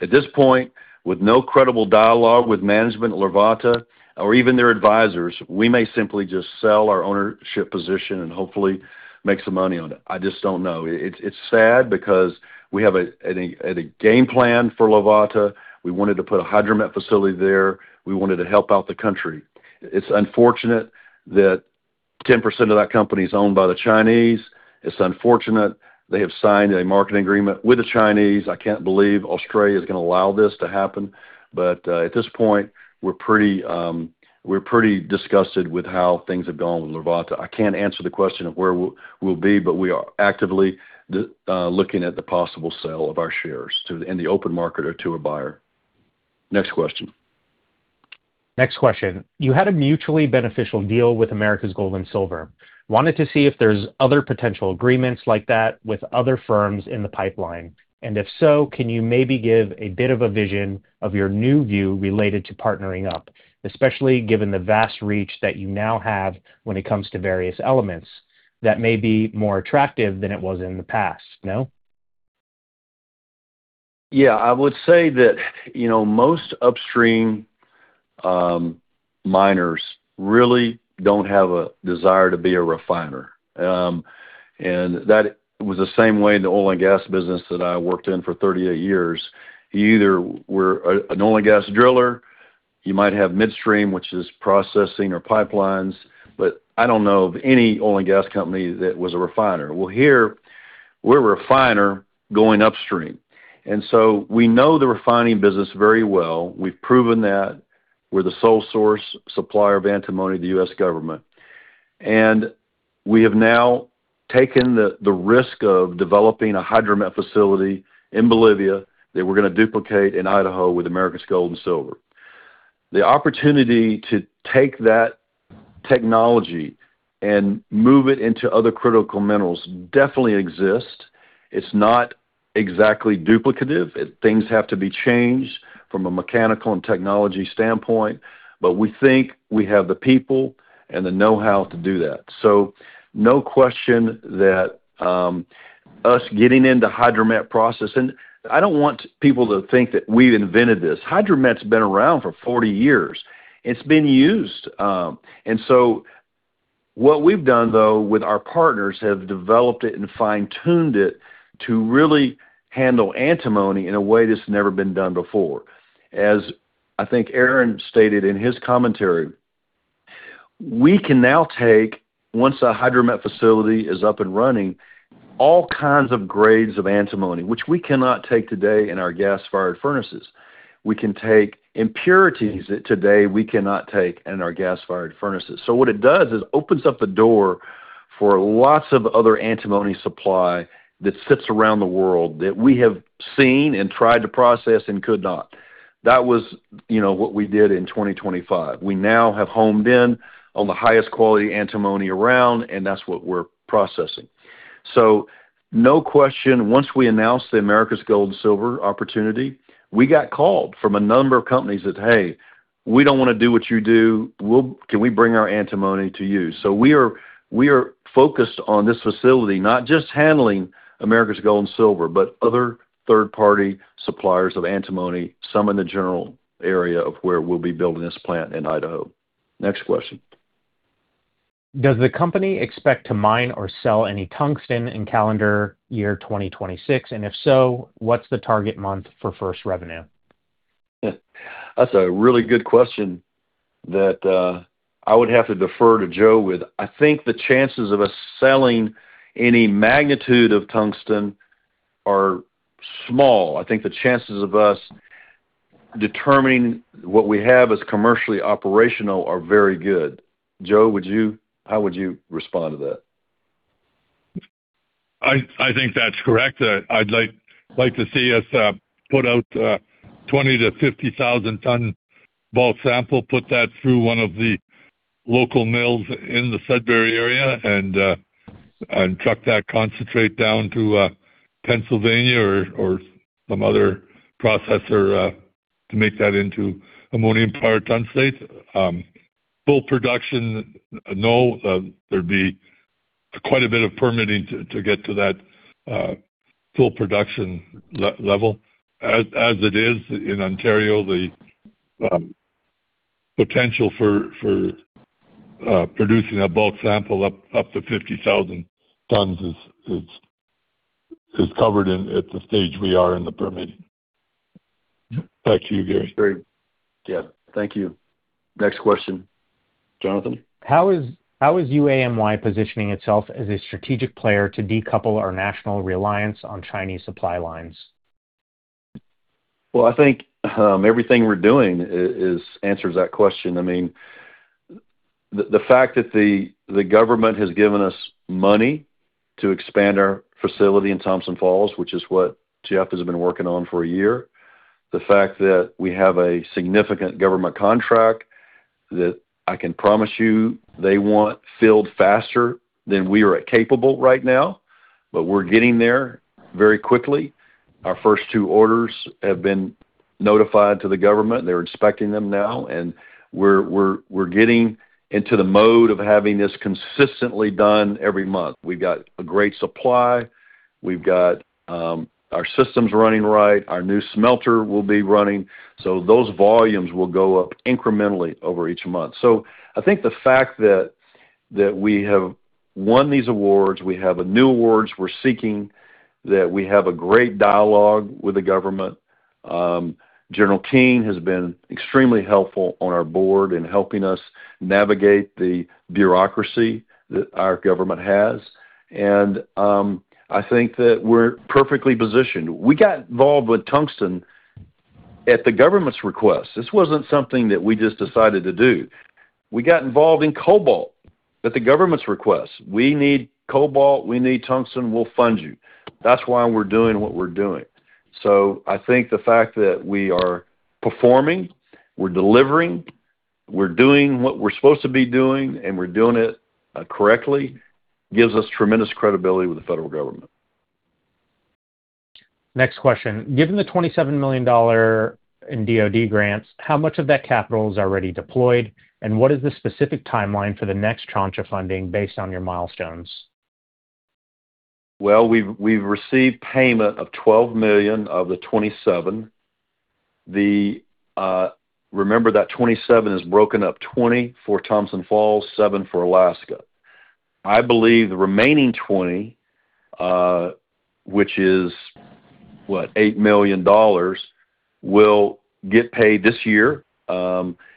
At this point, with no credible dialogue with management at Levata or even their advisors, we may simply just sell our ownership position and hopefully make some money on it. I just don't know. It's sad because we have a game plan for Levata. We wanted to put a hydromet facility there. We wanted to help out the country. It's unfortunate that 10% of that company is owned by the Chinese. It's unfortunate they have signed a marketing agreement with the Chinese. I can't believe Australia is going to allow this to happen. At this point, we're pretty disgusted with how things have gone with Levata. I can't answer the question of where we'll be, we are actively looking at the possible sale of our shares in the open market or to a buyer. Next question. Next question. You had a mutually beneficial deal with Americas Gold and Silver. Wanted to see if there's other potential agreements like that with other firms in the pipeline, and if so, can you maybe give a bit of a vision of your new view related to partnering up, especially given the vast reach that you now have when it comes to various elements that may be more attractive than it was in the past? No? Yeah. I would say that, you know, most upstream miners really don't have a desire to be a refiner. That was the same way in the oil and gas business that I worked in for 38 years. You either were an oil and gas driller, you might have midstream, which is processing or pipelines, but I don't know of any oil and gas company that was a refiner. Well, here we're a refiner going upstream, we know the refining business very well. We've proven that we're the sole source supplier of antimony to the U.S. government. We have now taken the risk of developing a hydrometallurgy facility in Bolivia that we're going to duplicate in Idaho with Americas Gold and Silver. The opportunity to take that technology and move it into other critical minerals definitely exists. It's not exactly duplicative. Things have to be changed from a mechanical and technology standpoint, we think we have the people and the know-how to do that. No question that us getting into hydrometallurgy processing I don't want people to think that we invented this. hydromet's been around for 40 years. It's been used. What we've done, though, with our partners, have developed it and fine-tuned it to really handle antimony in a way that's never been done before. As I think Aaron stated in his commentary, we can now take, once the hydrometallurgy facility is up and running, all kinds of grades of antimony, which we cannot take today in our gas-fired furnaces. We can take impurities that today we cannot take in our gas-fired furnaces. What it does is opens up the door for lots of other antimony supply that sits around the world that we have seen and tried to process and could not. That was, you know, what we did in 2025. We now have homed in on the highest quality antimony around, and that's what we're processing. No question, once we announced the Americas Gold and Silver opportunity, we got called from a number of companies that, "Hey, we don't want to do what you do. Can we bring our antimony to you?" We are focused on this facility not just handling Americas Gold and Silver, but other third-party suppliers of antimony, some in the general area of where we'll be building this plant in Idaho. Next question. Does the company expect to mine or sell any tungsten in calendar year 2026? If so, what's the target month for first revenue? That's a really good question that, I would have to defer to Joe with. I think the chances of us selling any magnitude of tungsten are small. I think the chances of us determining what we have as commercially operational are very good. Joe, how would you respond to that? I think that's correct. I'd like to see us put out 20,000 tons-50,000 tons bulk sample, put that through one of the local mills in the Sudbury area and truck that concentrate down to Pennsylvania or some other processor to make that into ammonium paratungstate. Full production, no. There'd be quite a bit of permitting to get to that full production level. As it is in Ontario, the potential for producing a bulk sample up to 50,000 tons is covered in at the stage we are in the permitting. Back to you, Gary. Great. Yeah. Thank you. Next question. Jonathan? How is UAMY positioning itself as a strategic player to decouple our national reliance on Chinese supply lines? Well, I think everything we're doing answers that question. I mean, the fact that the government has given us money to expand our facility in Thompson Falls, which is what Jeff has been working on for a year. The fact that we have a significant government contract that I can promise you they want filled faster than we are capable right now, but we're getting there very quickly. Our first two orders have been notified to the government. They're inspecting them now, and we're getting into the mode of having this consistently done every month. We've got a great supply. We've got our systems running right. Our new smelter will be running. Those volumes will go up incrementally over each month. I think the fact that we have won these awards, we have new awards we're seeking, that we have a great dialogue with the government. General Keane has been extremely helpful on our board in helping us navigate the bureaucracy that our government has. I think that we're perfectly positioned. We got involved with tungsten at the government's request. This wasn't something that we just decided to do. We got involved in cobalt at the government's request. We need cobalt. We need tungsten. We'll fund you. That's why we're doing what we're doing. I think the fact that we are performing, we're delivering, we're doing what we're supposed to be doing, and we're doing it correctly, gives us tremendous credibility with the federal government. Next question. Given the $27 million in DoD grants, how much of that capital is already deployed? What is the specific timeline for the next tranche of funding based on your milestones? We've received payment of $12 million of the $27. Remember that $27 is broken up, $20 for Thompson Falls, $7 for Alaska. I believe the remaining $20, which is, what? $8 million will get paid this year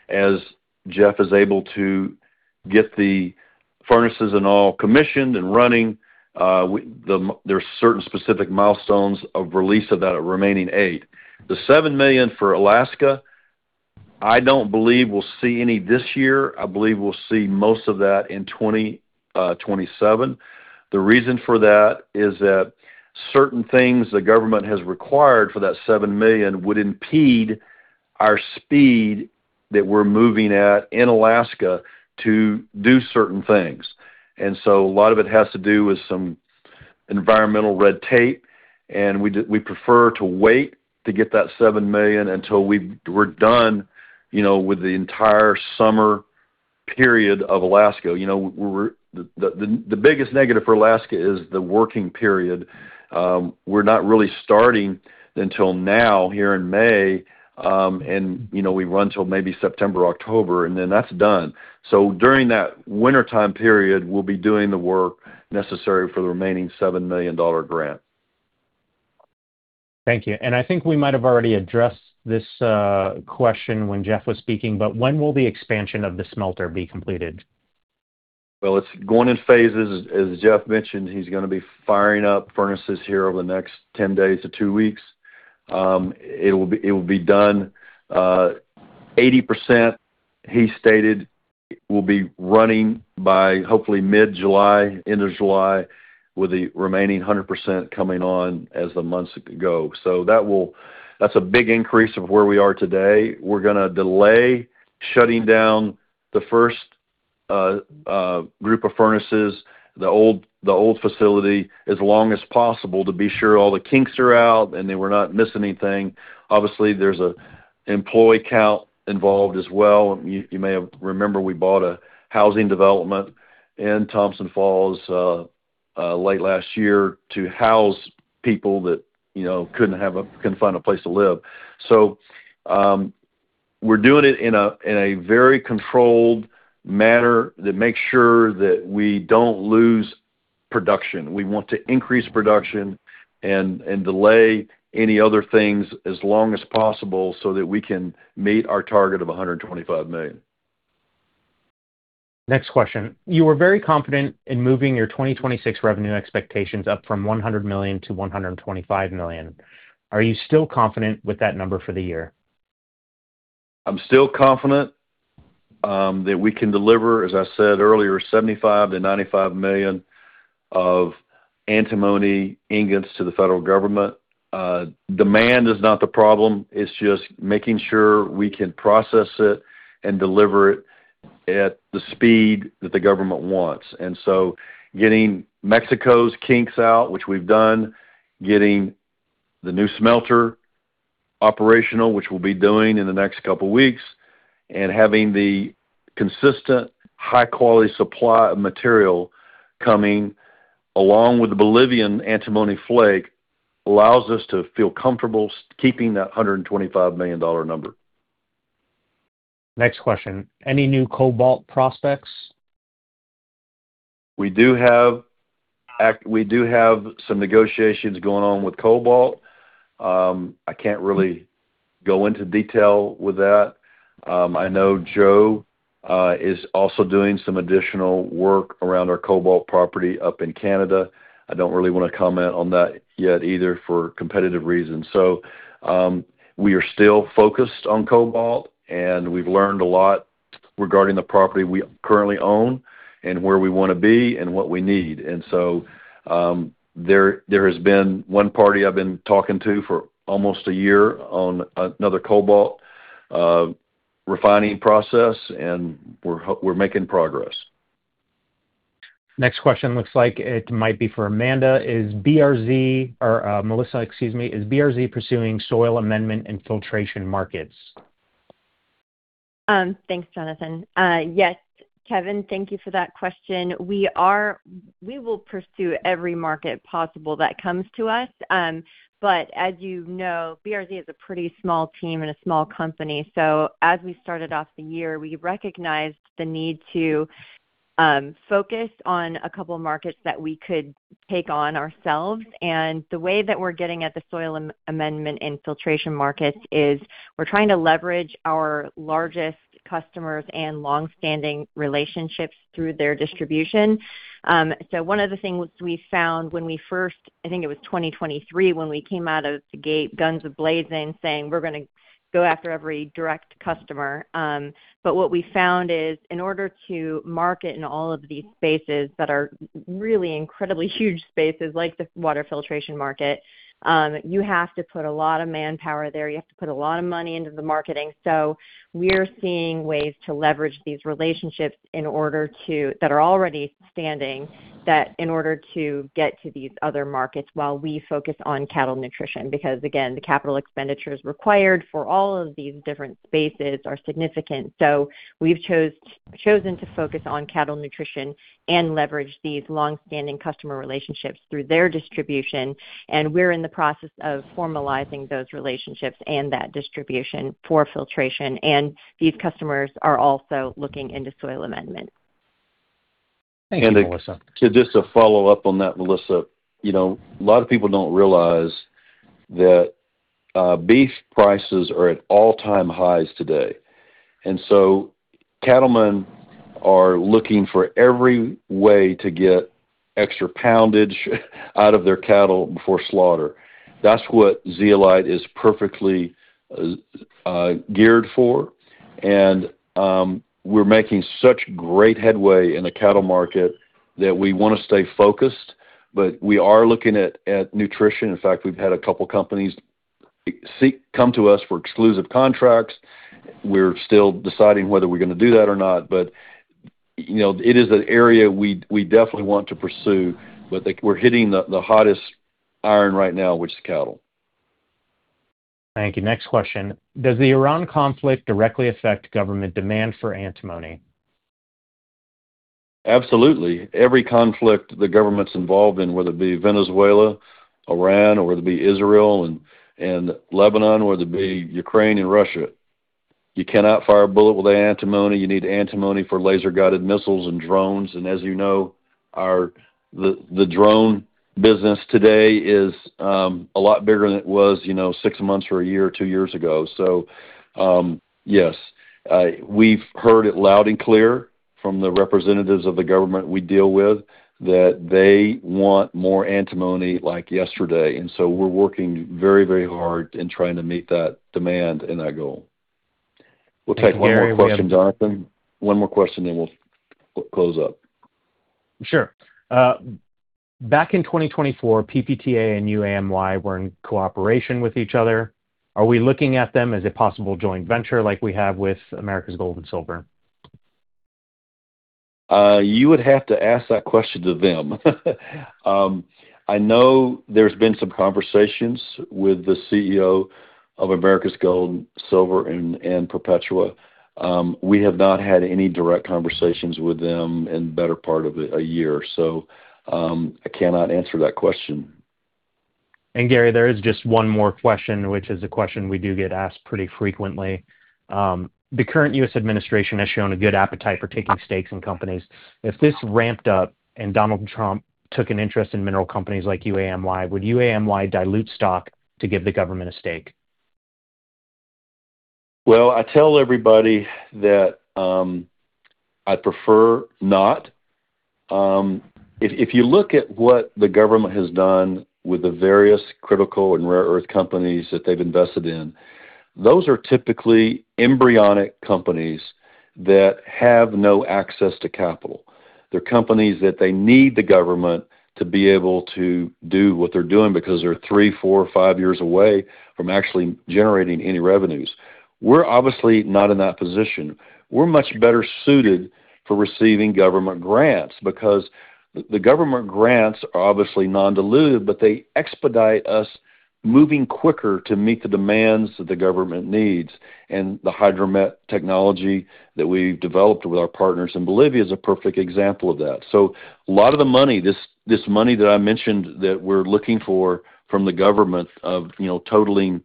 as Jeff is able to get the furnaces and all commissioned and running. There are certain specific milestones of release of that remaining eight. The $7 million for Alaska, I don't believe we'll see any this year. I believe we'll see most of that in 2027. The reason for that is that certain things the government has required for that $7 million would impede our speed that we're moving at in Alaska to do certain things. A lot of it has to do with some environmental red tape, and we prefer to wait to get that $7 million until we've we're done, you know, with the entire summer period of Alaska. You know, the biggest negative for Alaska is the working period. We're not really starting until now here in May, and you know, we run till maybe September, October, and then that's done. During that wintertime period, we'll be doing the work necessary for the remaining $7 million grant. Thank you. I think we might have already addressed this question when Jeff was speaking, but when will the expansion of the smelter be completed? Well, it's going in phases. As Jeff mentioned, he's gonna be firing up furnaces here over the next 10 days to two weeks. It will be done, 80%, he stated, will be running by hopefully mid-July, end of July, with the remaining 100% coming on as the months go. That's a big increase of where we are today. We're gonna delay shutting down the first group of furnaces, the old facility, as long as possible to be sure all the kinks are out and that we're not missing anything. Obviously, there's a employee count involved as well. You may have remember we bought a housing development in Thompson Falls late last year to house people that, you know, couldn't find a place to live. We're doing it in a very controlled manner that makes sure that we don't lose production. We want to increase production and delay any other things as long as possible so that we can meet our target of $125 million. Next question. You were very confident in moving your 2026 revenue expectations up from $100 million to $125 million. Are you still confident with that number for the year? I'm still confident that we can deliver, as I said earlier, $75 million-$95 million of antimony ingots to the federal government. Demand is not the problem. It's just making sure we can process it and deliver it at the speed that the government wants. Getting Mexico's kinks out, which we've done, getting the new smelter operational, which we'll be doing in the next couple weeks, and having the consistent high-quality supply of material coming along with the Bolivian antimony flake, allows us to feel comfortable keeping that $125 million number. Next question. Any new cobalt prospects? We do have some negotiations going on with cobalt. I can't really go into detail with that. I know Joe is also doing some additional work around our cobalt property up in Canada. I don't really wanna comment on that yet either for competitive reasons. We are still focused on cobalt, and we've learned a lot regarding the property we currently own and where we wanna be and what we need. There has been one party I've been talking to for almost a year on another cobalt refining process, and we're making progress. Next question looks like it might be for Melissa Pagen. Melissa, excuse me. Is BRZ pursuing soil amendment and filtration markets? Thanks, Jonathan. Yes, Kevin, thank you for that question. We will pursue every market possible that comes to us. As you know, BRZ is a pretty small team and a small company. As we started off the year, we recognized the need to focus on a couple markets that we could take on ourselves. The way that we're getting at the soil amendment and filtration markets is we're trying to leverage our largest customers and long-standing relationships through their distribution. One of the things we found when we first, I think it was 2023, when we came out of the gate, guns a-blazing, saying, "We're gonna go after every direct customer." What we found is in order to market in all of these spaces that are really incredibly huge spaces like the water filtration market, you have to put a lot of manpower there. You have to put a lot of money into the marketing. We're seeing ways to leverage these relationships that are already standing, that in order to get to these other markets while we focus on cattle nutrition. Because, again, the capital expenditures required for all of these different spaces are significant. We've chosen to focus on cattle nutrition and leverage these long-standing customer relationships through their distribution. We're in the process of formalizing those relationships and that distribution for filtration. These customers are also looking into soil amendment. Thank you, Melissa. To just to follow up on that, Melissa, you know, a lot of people don't realize that beef prices are at all-time highs today. Cattlemen are looking for every way to get extra poundage out of their cattle before slaughter. That's what zeolite is perfectly geared for. We're making such great headway in the cattle market that we wanna stay focused, but we are looking at nutrition. In fact, we've had a couple companies come to us for exclusive contracts. We're still deciding whether we're gonna do that or not. You know, it is an area we definitely want to pursue, but we're hitting the hottest iron right now, which is cattle. Thank you. Next question: Does the Iran conflict directly affect government demand for antimony? Absolutely. Every conflict the government's involved in, whether it be Venezuela, Iran, or whether it be Israel and Lebanon, or whether it be Ukraine and Russia, you cannot fire a bullet without antimony. You need antimony for laser-guided missiles and drones. As you know, the drone business today is a lot bigger than it was, you know, six months or a year or two years ago. Yes, we've heard it loud and clear from the representatives of the government we deal with that they want more antimony like yesterday. We're working very, very hard in trying to meet that demand and that goal. Thank you, Gary. We'll take one more question, Jonathan. One more question, then we'll close up. Sure. Back in 2024, PPTA and UAMY were in cooperation with each other. Are we looking at them as a possible joint venture like we have with Americas Gold and Silver? You would have to ask that question to them. I know there's been some conversations with the CEO of Americas Gold and Silver and Perpetua. We have not had any direct conversations with them in better part of a year. I cannot answer that question. Gary, there is just one more question, which is a question we do get asked pretty frequently. The current U.S. administration has shown a good appetite for taking stakes in companies. If this ramped up and Donald Trump took an interest in mineral companies like UAMY, would UAMY dilute stock to give the government a stake? Well, I tell everybody that I'd prefer not. If you look at what the government has done with the various critical and rare earth companies that they've invested in, those are typically embryonic companies that have no access to capital. They're companies that they need the government to be able to do what they're doing because they're three, four, five years away from actually generating any revenues. We're obviously not in that position. We're much better suited for receiving government grants because the government grants are obviously non-dilutive, but they expedite us moving quicker to meet the demands that the government needs. The hydro-met technology that we've developed with our partners in Bolivia is a perfect example of that. A lot of the money, this money that I mentioned that we're looking for from the government, totaling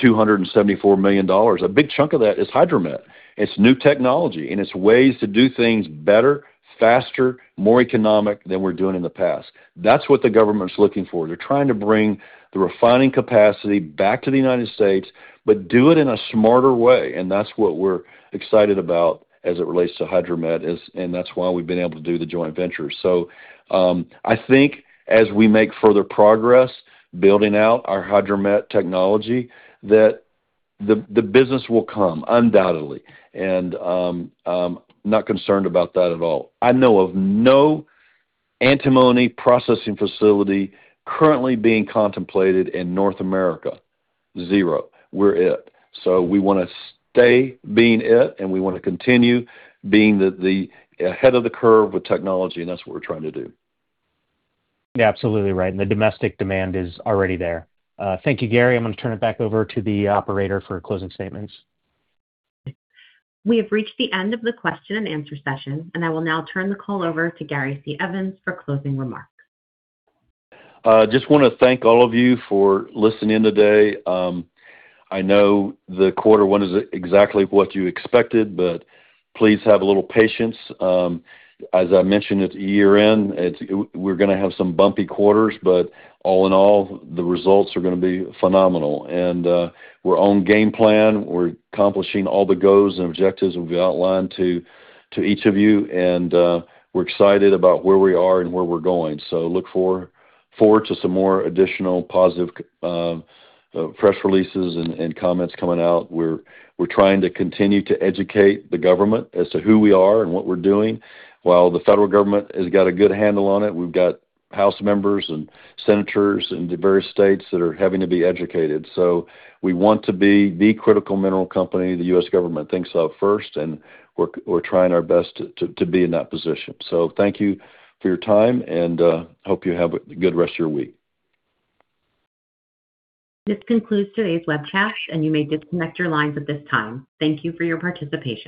$274 million, a big chunk of that is hydro-met. It's new technology, and it's ways to do things better, faster, more economic than we're doing in the past. That's what the government's looking for. They're trying to bring the refining capacity back to the United States, but do it in a smarter way, and that's what we're excited about as it relates to hydro-met, and that's why we've been able to do the joint venture. I think as we make further progress building out our hydro-met technology, that the business will come undoubtedly. Not concerned about that at all. I know of no antimony processing facility currently being contemplated in North America. Zero. We're it. We wanna stay being it, and we wanna continue being the ahead of the curve with technology, and that's what we're trying to do. Yeah, absolutely right. The domestic demand is already there. Thank you, Gary. I'm gonna turn it back over to the operator for closing statements. We have reached the end of the question and answer session. I will now turn the call over to Gary C. Evans for closing remarks. Just wanna thank all of you for listening today. I know the Q1 isn't exactly what you expected, but please have a little patience. As I mentioned, it's year-end. We're gonna have some bumpy quarters, all in all, the results are gonna be phenomenal. We're on game plan. We're accomplishing all the goals and objectives that we outlined to each of you. We're excited about where we are and where we're going. Look forward to some more additional positive press releases and comments coming out. We're trying to continue to educate the government as to who we are and what we're doing. While the federal government has got a good handle on it, we've got house members and senators in the various states that are having to be educated. We want to be the critical mineral company the U.S. government thinks of first, and we're trying our best to be in that position. Thank you for your time and hope you have a good rest of your week. This concludes today's webcast, and you may disconnect your lines at this time. Thank you for your participation.